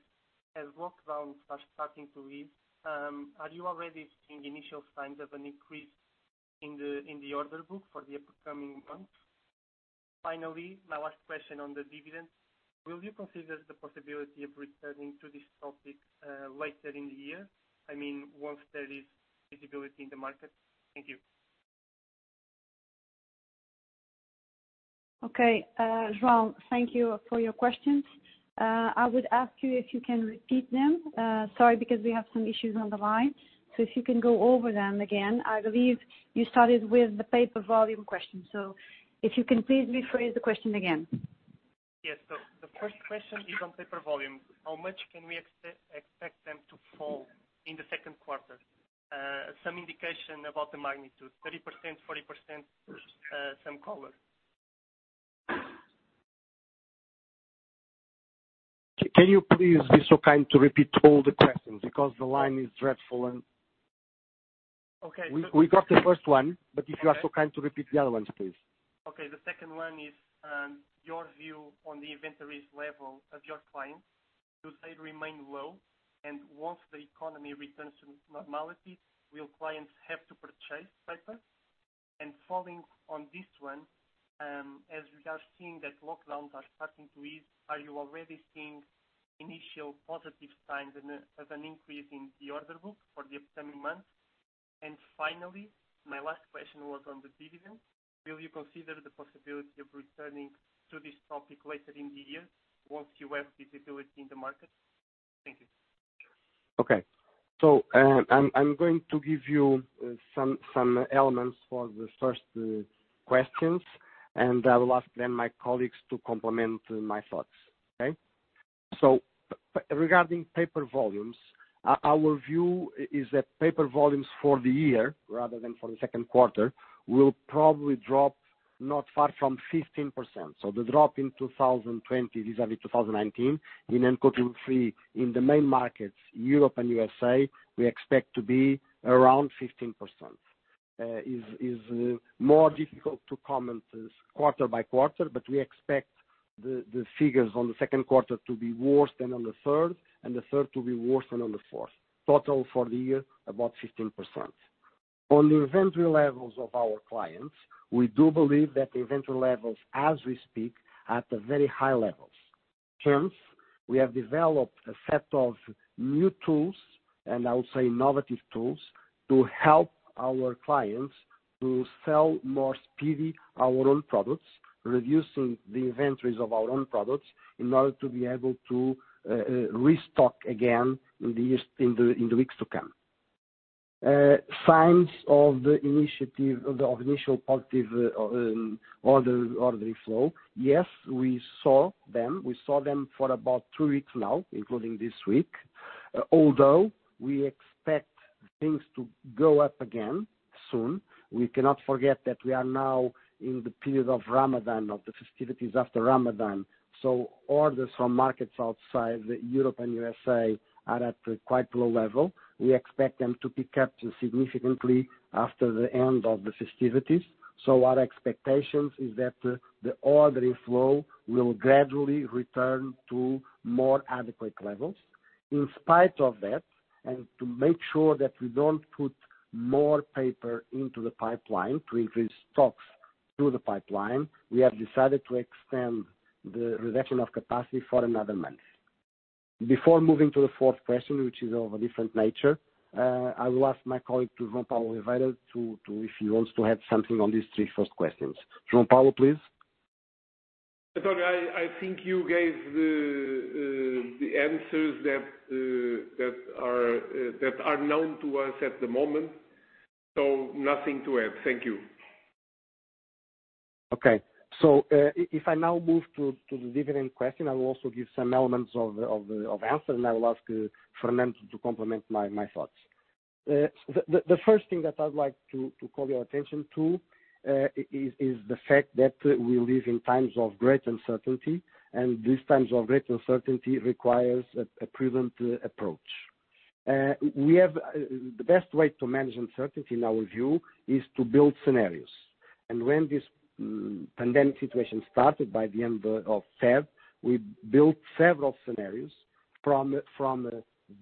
as lockdowns are starting to ease, are you already seeing initial signs of an increase in the order book for the upcoming months? Finally, my last question on the dividend. Will you consider the possibility of returning to this topic later in the year? I mean, once there is visibility in the market. Thank you. Okay, João, thank you for your questions. I would ask you if you can repeat them. Sorry, because we have some issues on the line. If you can go over them again. I believe you started with the paper volume question. If you can please rephrase the question again. Yes. The first question is on paper volume. How much can we expect them to fall in the second quarter? Some indication about the magnitude, 30%, 40%, some color. Can you please be so kind to repeat all the questions because the line is dreadful? Okay. We got the first one, but if you are so kind to repeat the other ones, please. Okay. The second one is your view on the inventories level of your clients. Do they remain low? Once the economy returns to normality, will clients have to purchase paper? Following on this one, as we are seeing that lockdowns are starting to ease, are you already seeing initial positive signs as an increase in the order book for the upcoming months? Finally, my last question was on the dividend. Will you consider the possibility of returning to this topic later in the year once you have visibility in the market? Thank you. Okay. I'm going to give you some elements for the first questions, and I will ask then my colleagues to complement my thoughts. Okay? Regarding paper volumes, our view is that paper volumes for the year, rather than for the second quarter, will probably drop not far from 15%. The drop in 2020 vis-à-vis 2019 in coated wood-free in the main markets, Europe and USA, we expect to be around 15%. It is more difficult to comment quarter by quarter, but we expect the figures on the second quarter to be worse than on the third, and the third to be worse than on the fourth. Total for the year, about 15%. On the inventory levels of our clients, we do believe that the inventory levels as we speak are at very high levels. We have developed a set of new tools, and I would say innovative tools, to help our clients to sell more speedily our own products, reducing the inventories of our own products in order to be able to restock again in the weeks to come. Signs of the initial positive order flow. Yes, we saw them. We saw them for about three weeks now, including this week. We expect things to go up again soon, we cannot forget that we are now in the period of Ramadan, of the festivities after Ramadan. Orders from markets outside Europe and USA are at a quite low level. We expect them to pick up significantly after the end of the festivities. Our expectation is that the order flow will gradually return to more adequate levels. In spite of that, and to make sure that we don't put more paper into the pipeline to increase stocks through the pipeline, we have decided to extend the reduction of capacity for another month. Before moving to the fourth question, which is of a different nature, I will ask my colleague, João Paulo Oliveira, if he wants to add something on these three first questions. João Paulo, please. António, I think you gave the answers that are known to us at the moment. Nothing to add. Thank you. Okay. If I now move to the dividend question, I will also give some elements of answer, and I will ask Fernando to complement my thoughts. The first thing that I'd like to call your attention to is the fact that we live in times of great uncertainty, and these times of great uncertainty requires a prudent approach. The best way to manage uncertainty in our view is to build scenarios. When this pandemic situation started by the end of Feb, we built several scenarios from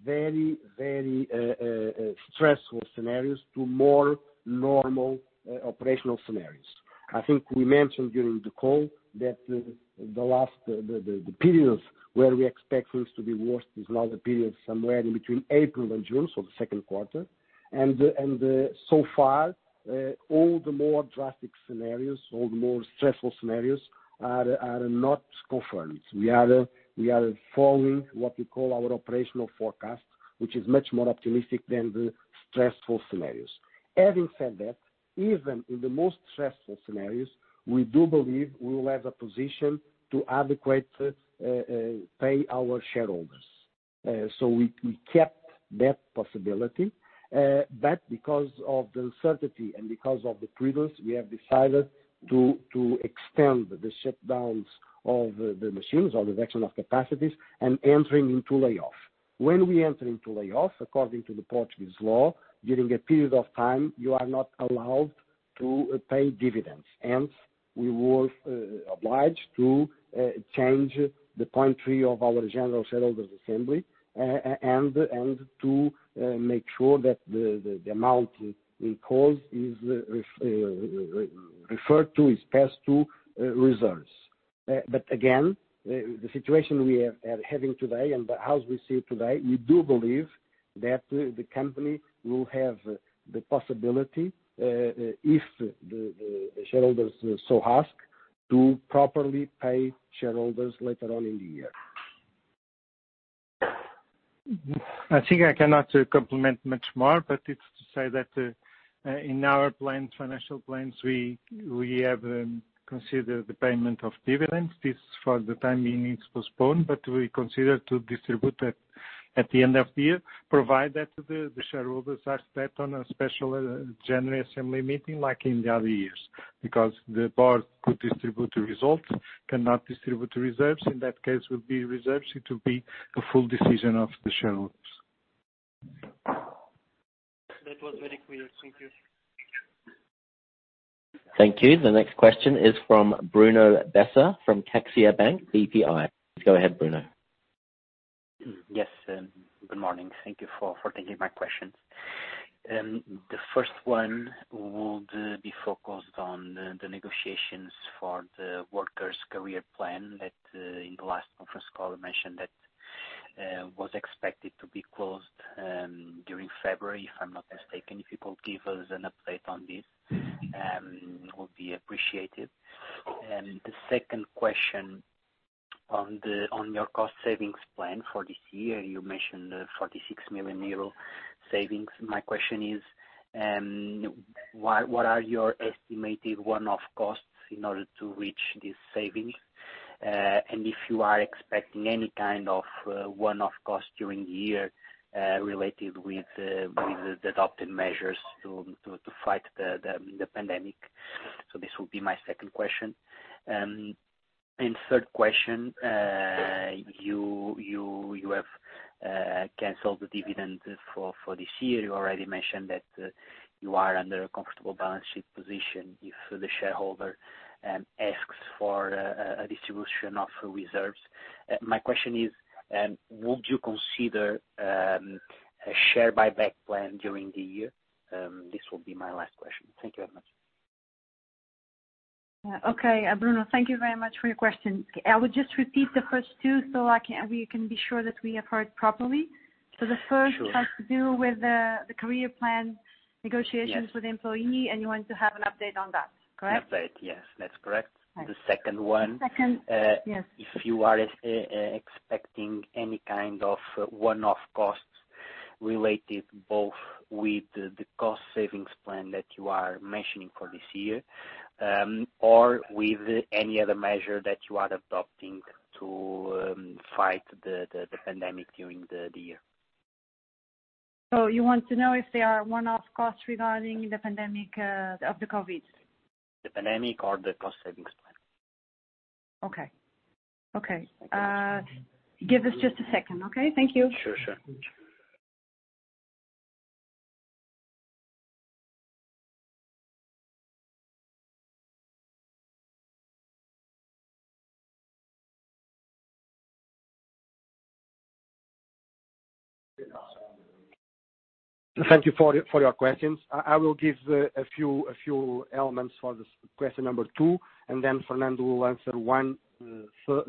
very stressful scenarios to more normal operational scenarios. I think we mentioned during the call that the periods where we expect things to be worse is now the period somewhere in between April and June, so the second quarter. So far, all the more drastic scenarios, all the more stressful scenarios are not confirmed. We are following what we call our operational forecast, which is much more optimistic than the stressful scenarios. Having said that, even in the most stressful scenarios, we do believe we will have a position to adequately pay our shareholders. We kept that possibility. Because of the uncertainty and because of the prudence, we have decided to extend the shutdowns of the machines or reduction of capacities and entering into layoff. When we enter into layoffs, according to the Portuguese law, during a period of time, you are not allowed to pay dividends. Hence, we were obliged to change the point three of our general shareholders assembly and to make sure that the amount we cause is referred to, is passed to reserves. Again, the situation we are having today and as we see it today, we do believe that the company will have the possibility, if the shareholders so ask, to properly pay shareholders later on in the year. I think I cannot compliment much more, but it's to say that in our financial plans, we have considered the payment of dividends. This, for the time being, is postponed, but we consider to distribute it at the end of the year, provided that the shareholders ask that on a special general assembly meeting, like in the other years. The board could distribute the results, cannot distribute reserves. In that case, it would be reserves, it will be a full decision of the shareholders. That was very clear. Thank you. Thank you. The next question is from Bruno Bessa of CaixaBank BPI. Go ahead, Bruno. Yes. Good morning. Thank you for taking my questions. The first one would be focused on the negotiations for the workers' career plan that in the last conference call were mentioned that was expected to be closed during February, if I'm not mistaken. If you could give us an update on this, it would be appreciated. The second question on your cost savings plan for this year. You mentioned 46 million euro savings. My question is, what are your estimated one-off costs in order to reach these savings? If you are expecting any kind of one-off costs during the year related with the adopted measures to fight the pandemic. This will be my second question. Third question, you have canceled the dividends for this year. You already mentioned that you are under a comfortable balance sheet position if the shareholder asks for a distribution of reserves. My question is, would you consider a share buyback plan during the year? This will be my last question. Thank you very much. Okay, Bruno, thank you very much for your question. I would just repeat the first two so we can be sure that we have heard properly. Sure. The first has to do with the career plan negotiations. Yes with employee, and you want to have an update on that, correct? An update, yes, that's correct. Right. The second one- The second, yes. If you are expecting any kind of one-off costs related both with the cost savings plan that you are mentioning for this year, or with any other measure that you are adopting to fight the pandemic during the year? You want to know if there are one-off costs regarding the pandemic of the COVID? The pandemic or the cost savings plan. Okay. Give us just a second, okay? Thank you. Sure. Thank you for your questions. I will give a few elements for this question number two. Fernando will answer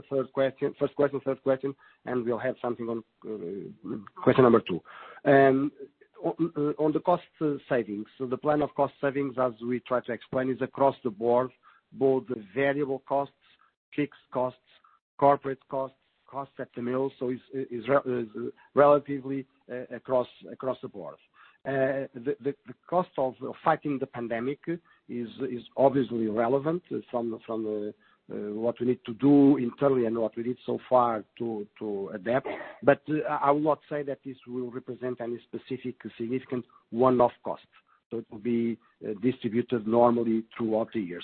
first question, third question, and we'll have something on question number two. On the cost savings. The plan of cost savings, as we try to explain, is across the board, both variable costs, fixed costs, corporate costs at the mill. It's relatively across the board. The cost of fighting the pandemic is obviously relevant from what we need to do internally and what we did so far to adapt. I would not say that this will represent any specific significant one-off costs. It will be distributed normally throughout the year.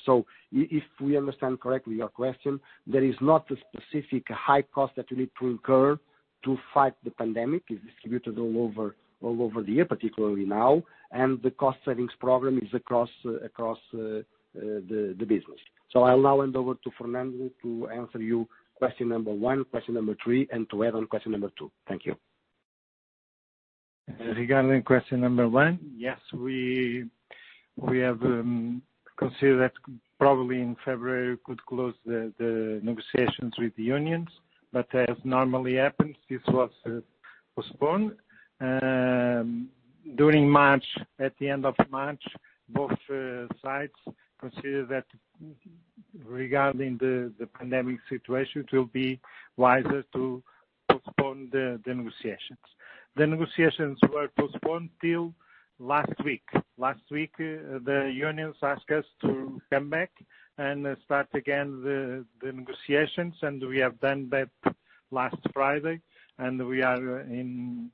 If we understand correctly your question, there is not a specific high cost that you need to incur to fight the pandemic. It's distributed all over the year, particularly now, and the cost savings program is across the business. I'll now hand over to Fernando to answer you question number one, question number three, and to add on question number two. Thank you. Regarding question number one, yes, we have considered that probably in February we could close the negotiations with the unions. As normally happens, this was postponed. During March, at the end of March, both sides considered that regarding the pandemic situation, it will be wiser to postpone the negotiations. The negotiations were postponed till last week. Last week, the unions asked us to come back and start again the negotiations, and we have done that last Friday, and we are in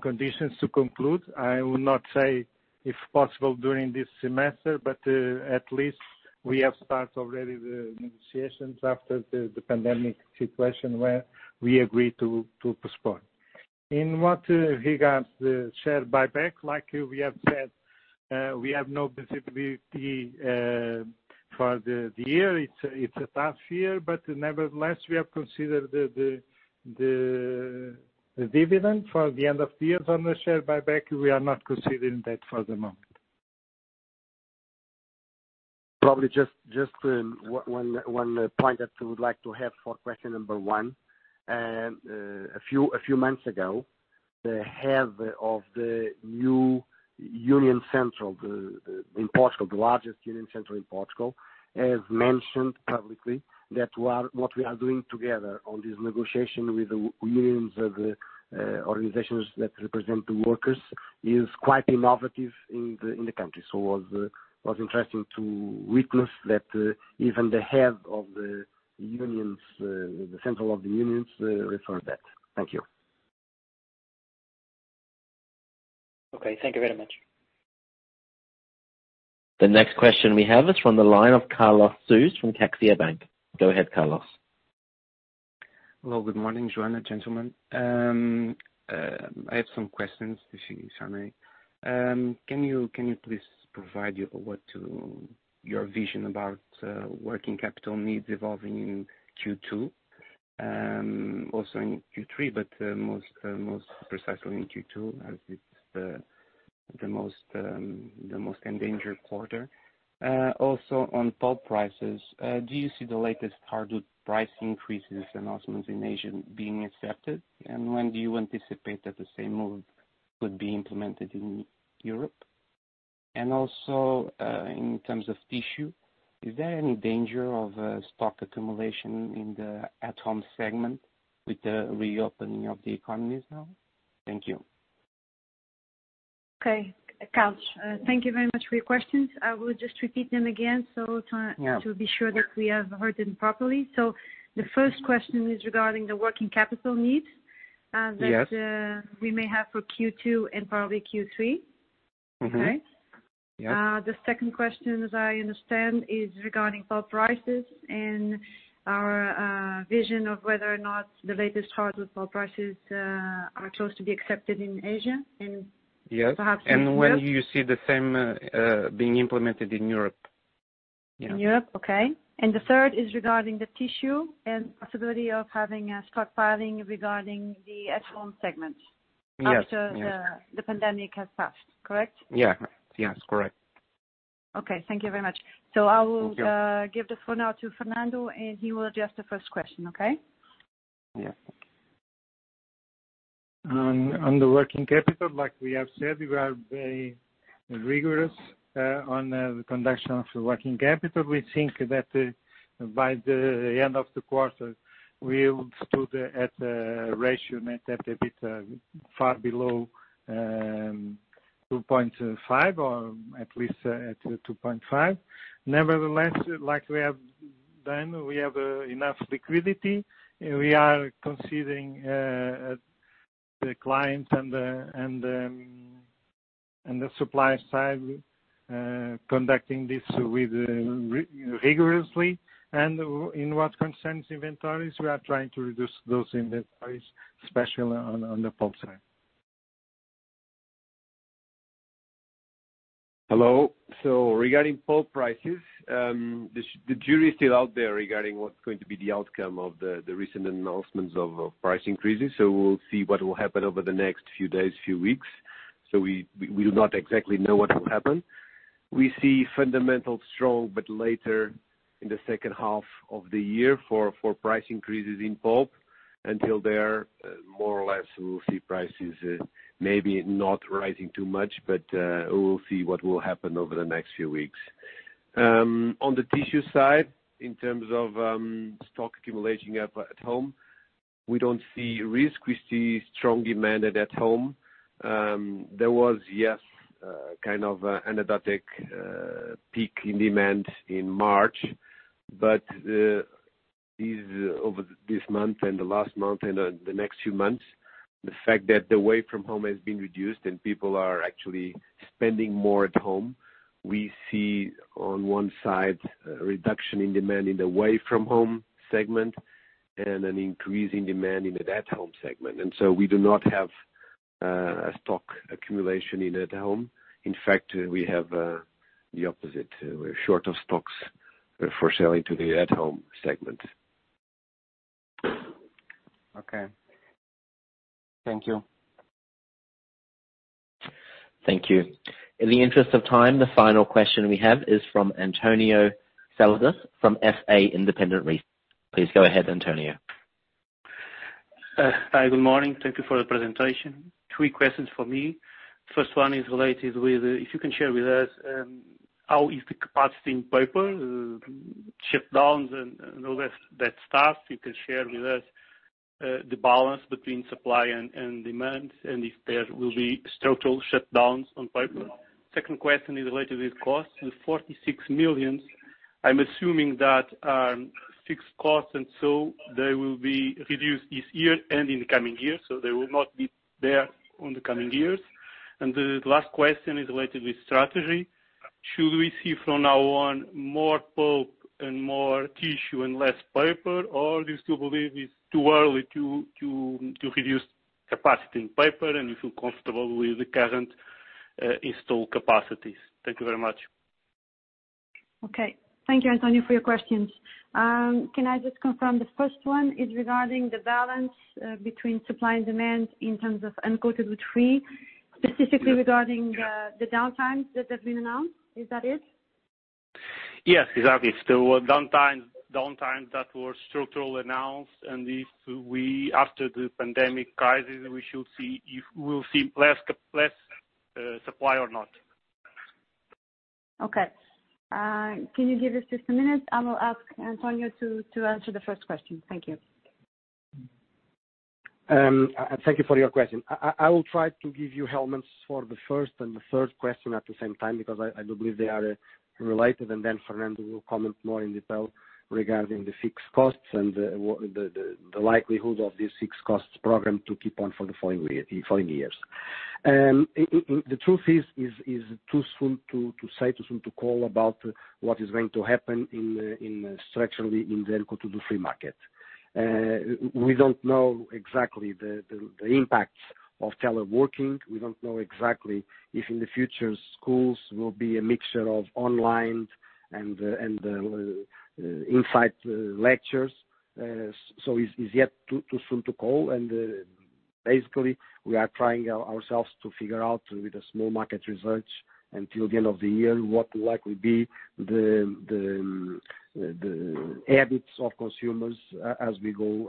conditions to conclude, I will not say if possible during this semester, but at least we have started already the negotiations after the pandemic situation where we agreed to postpone. In what regards the share buyback, like we have said, we have no visibility for the year. It's a tough year. Nevertheless, we have considered the dividend for the end of the year. On the share buyback, we are not considering that for the moment. Probably just one point that I would like to have for question number one. A few months ago, the head of the new union central in Portugal, the largest union central in Portugal, has mentioned publicly that what we are doing together on this negotiation with the unions of the organizations that represent the workers is quite innovative in the country. It was interesting to witness that even the head of the unions, the central of the unions, referred that. Thank you. Okay, thank you very much. The next question we have is from the line of Carlos Sousa from CaixaBank. Go ahead, Carlos. Hello. Good morning, Joana, gentlemen. I have some questions this Sunday. Can you please provide your vision about working capital needs evolving in Q2? Also in Q3, but most precisely in Q2, as it's the most endangered quarter. On pulp prices, do you see the latest hardwood price increases announcements in Asia being accepted? When do you anticipate that the same move could be implemented in Europe? In terms of tissue, is there any danger of stock accumulation in the at-home segment with the reopening of the economies now? Thank you. Okay, Carlos, thank you very much for your questions. I will just repeat them again. Yeah be sure that we have heard them properly. The first question is regarding the working capital needs. Yes that we may have for Q2 and probably Q3. Right? Mm-hmm. Yeah. The second question, as I understand, is regarding pulp prices and our vision of whether or not the latest hardwood pulp prices are close to be accepted in Asia. Yes perhaps- When you see the same being implemented in Europe. Yeah. In Europe. Okay. The third is regarding the tissue and possibility of having a stockpiling regarding the at-home segment. Yes after the pandemic has passed. Correct? Yeah. Yes, correct. Okay. Thank you very much. Thank you. Give the phone now to Fernando. He will address the first question, okay? Yeah. Thank you. On the working capital, like we have said, we are very rigorous on the conduction of the working capital. We think that by the end of the quarter, we would stood at a ratio that a bit far below 2.5 or at least at 2.5. Nevertheless, like we have done, we have enough liquidity. We are considering the client and the supply side, conducting this rigorously. In what concerns inventories, we are trying to reduce those inventories, especially on the pulp side. Hello. Regarding pulp prices, the jury is still out there regarding what's going to be the outcome of the recent announcements of price increases. We'll see what will happen over the next few days, few weeks. We do not exactly know what will happen. We see fundamentals strong, but later in the second half of the year for price increases in pulp. Until there, more or less, we will see prices maybe not rising too much, but we will see what will happen over the next few weeks. On the tissue side, in terms of stock accumulating at home, we don't see risk. We see strong demand at home. There was, yes, kind of an anecdotic peak in demand in March. Over this month and the last month and the next few months, the fact that the away from home has been reduced and people are actually spending more at home, we see on one side a reduction in demand in the away from home segment and an increase in demand in the at-home segment. We do not have a stock accumulation in at home. In fact, we have the opposite. We're short of stocks for selling to the at-home segment. Okay. Thank you. Thank you. In the interest of time, the final question we have is from António Seladas from AS Independent Research. Please go ahead, António. Hi. Good morning. Thank you for the presentation. Three questions for me. First one is related with, if you can share with us, how is the capacity in paper, shutdowns and all that stuff. You can share with us the balance between supply and demand, and if there will be structural shutdowns on paper. Second question is related with cost. The 46 million I'm assuming that fixed costs, and so they will be reduced this year and in the coming years, so they will not be there on the coming years. The last question is related with strategy. Should we see from now on more pulp and more tissue and less paper, or do you still believe it's too early to reduce capacity in paper and you feel comfortable with the current installed capacities? Thank you very much. Okay. Thank you, António, for your questions. Can I just confirm, the first one is regarding the balance between supply and demand in terms of uncoated wood-free, specifically regarding the downtimes that have been announced. Is that it? Yes, exactly. Downtimes that were structurally announced, and if after the pandemic crisis, we will see less supply or not. Okay. Can you give us just a minute? I will ask António to answer the first question. Thank you. Thank you for your question. I will try to give you elements for the first and the third question at the same time because I do believe they are related. Fernando will comment more in detail regarding the fixed costs and the likelihood of this fixed costs program to keep on for the following years. The truth is, it's too soon to say, too soon to call about what is going to happen structurally in the uncoated wood-free market. We don't know exactly the impacts of teleworking. We don't know exactly if in the future, schools will be a mixture of online and inside lectures. It's yet too soon to call, and basically, we are trying ourselves to figure out with a small market research until the end of the year what will likely be the habits of consumers as we go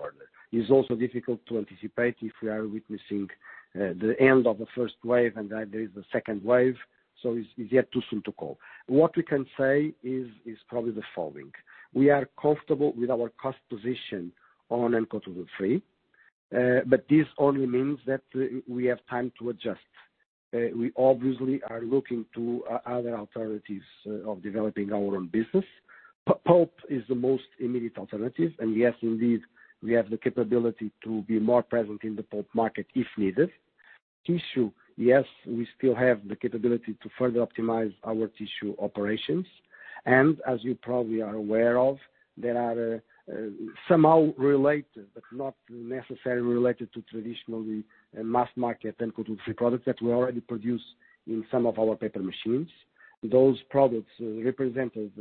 further. It's also difficult to anticipate if we are witnessing the end of the first wave, and then there is the second wave. It's yet too soon to call. What we can say is probably the following. We are comfortable with our cost position on uncoated wood-free but this only means that we have time to adjust. We obviously are looking to other alternatives of developing our own business. Pulp is the most immediate alternative. Yes, indeed, we have the capability to be more present in the pulp market if needed. Tissue, yes, we still have the capability to further optimize our tissue operations. As you probably are aware of, there are somehow related, but not necessarily related to traditionally mass market uncoated wood-free products that we already produce in some of our paper machines. Those products represented,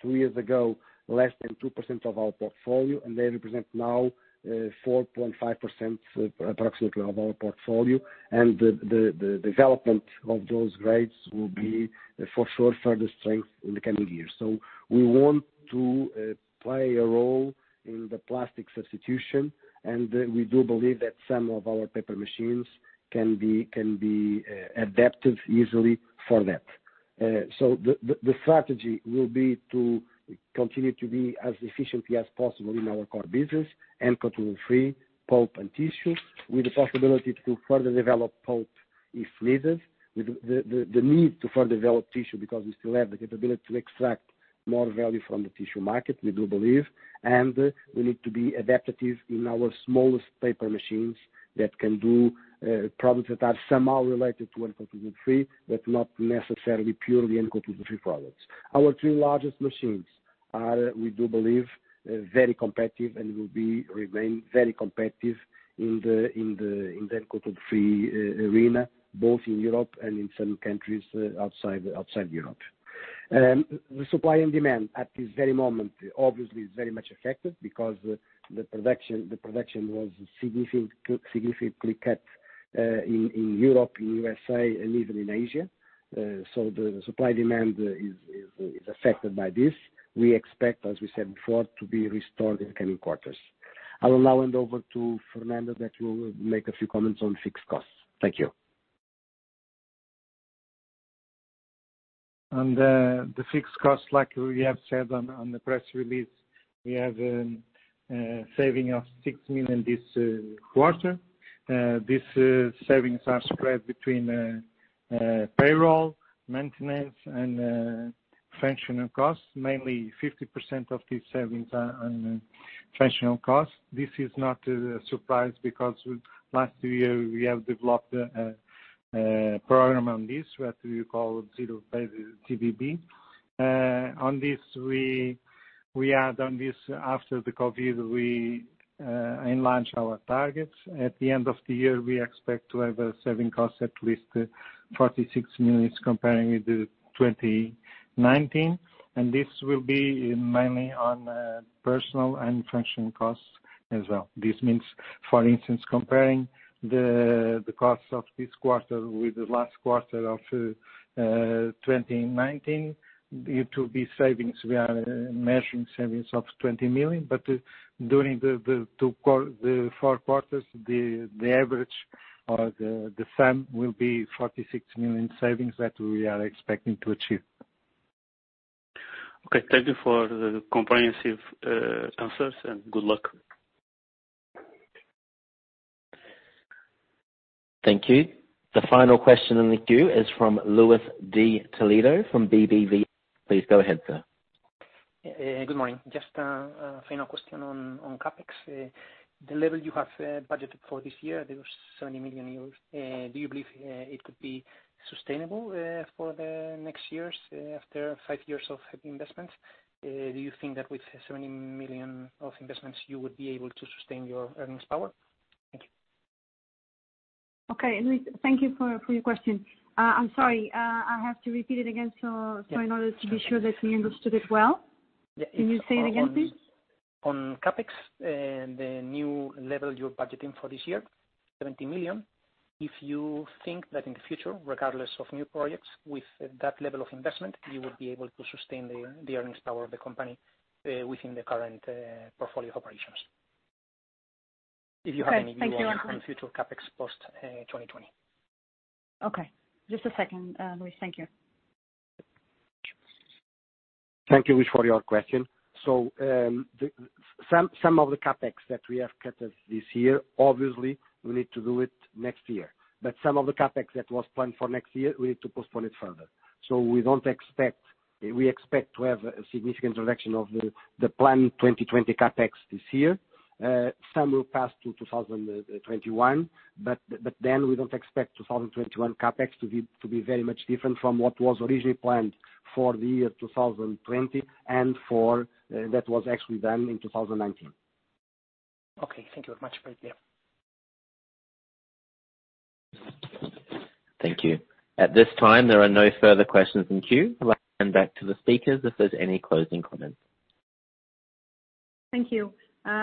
three years ago, less than 2% of our portfolio, and they represent now 4.5% approximately of our portfolio. The development of those grades will be for sure further strengthened in the coming years. We want to play a role in the plastic substitution, and we do believe that some of our paper machines can be adapted easily for that. The strategy will be to continue to be as efficiently as possible in our core business, uncoated wood-free, pulp, and tissue, with the possibility to further develop pulp if needed. The need to further develop tissue because we still have the capability to extract more value from the tissue market, we do believe, and we need to be adaptive in our smallest paper machines that can do products that are somehow related to uncoated wood-free, but not necessarily purely uncoated wood-free products. Our three largest machines are, we do believe, very competitive and will remain very competitive in the uncoated wood-free arena, both in Europe and in some countries outside Europe. The supply and demand at this very moment, obviously is very much affected because the production was significantly cut in Europe, in USA, and even in Asia. The supply-demand is affected by this. We expect, as we said before, to be restored in the coming quarters. I will now hand over to Fernando that will make a few comments on fixed costs. Thank you. On the fixed costs, like we have said on the press release, we have a saving of 6 million this quarter. These savings are spread between payroll, maintenance, and functional costs. Mainly 50% of these savings are on functional costs. This is not a surprise because last year we have developed a program on this, what we call Zero-Based Budgeting. We had done this after the COVID-19. We enlarged our targets. At the end of the year, we expect to have a saving cost at least 46 million comparing with the 2019, and this will be mainly on personal and functional costs as well. This means, for instance, comparing the costs of this quarter with the last quarter of 2019, it will be savings. We are measuring savings of 20 million, but during the four quarters, the average or the sum will be 46 million savings that we are expecting to achieve. Okay, thank you for the comprehensive answers, and good luck. Thank you. The final question in the queue is from Luis de Toledo from BBVA. Please go ahead, sir. Good morning. Just a final question on CapEx. The level you have budgeted for this year, there was 70 million euros. Do you believe it could be sustainable for the next years after five years of heavy investment? Do you think that with 70 million of investments, you would be able to sustain your earnings power? Thank you. Okay, Luis, thank you for your question. I'm sorry. I have to repeat it again so in order to be sure that we understood it well. Yeah. Can you say it again, please? On CapEx and the new level you're budgeting for this year, 70 million. If you think that in the future, regardless of new projects, with that level of investment, you would be able to sustain the earnings power of the company within the current portfolio operations. If you have any view? Okay. Thank you on future CapEx post 2020. Okay. Just a second, Luis. Thank you. Thank you, Luis, for your question. Some of the CapEx that we have cut this year, obviously we need to do it next year. Some of the CapEx that was planned for next year, we need to postpone it further. We expect to have a significant reduction of the planned 2020 CapEx this year. Some will pass to 2021, we don't expect 2021 CapEx to be very much different from what was originally planned for the year 2020 and that was actually done in 2019. Okay. Thank you very much for the clear. Thank you. At this time, there are no further questions in queue. I'll hand back to the speakers if there's any closing comments. Thank you.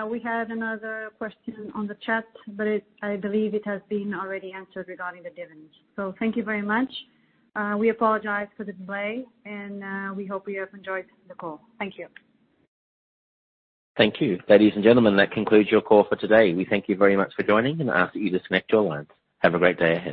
We had another question on the chat, but I believe it has been already answered regarding the dividends. Thank you very much. We apologize for the delay, and we hope you have enjoyed the call. Thank you. Thank you. Ladies and gentlemen, that concludes your call for today. We thank you very much for joining and ask that you disconnect your lines. Have a great day ahead.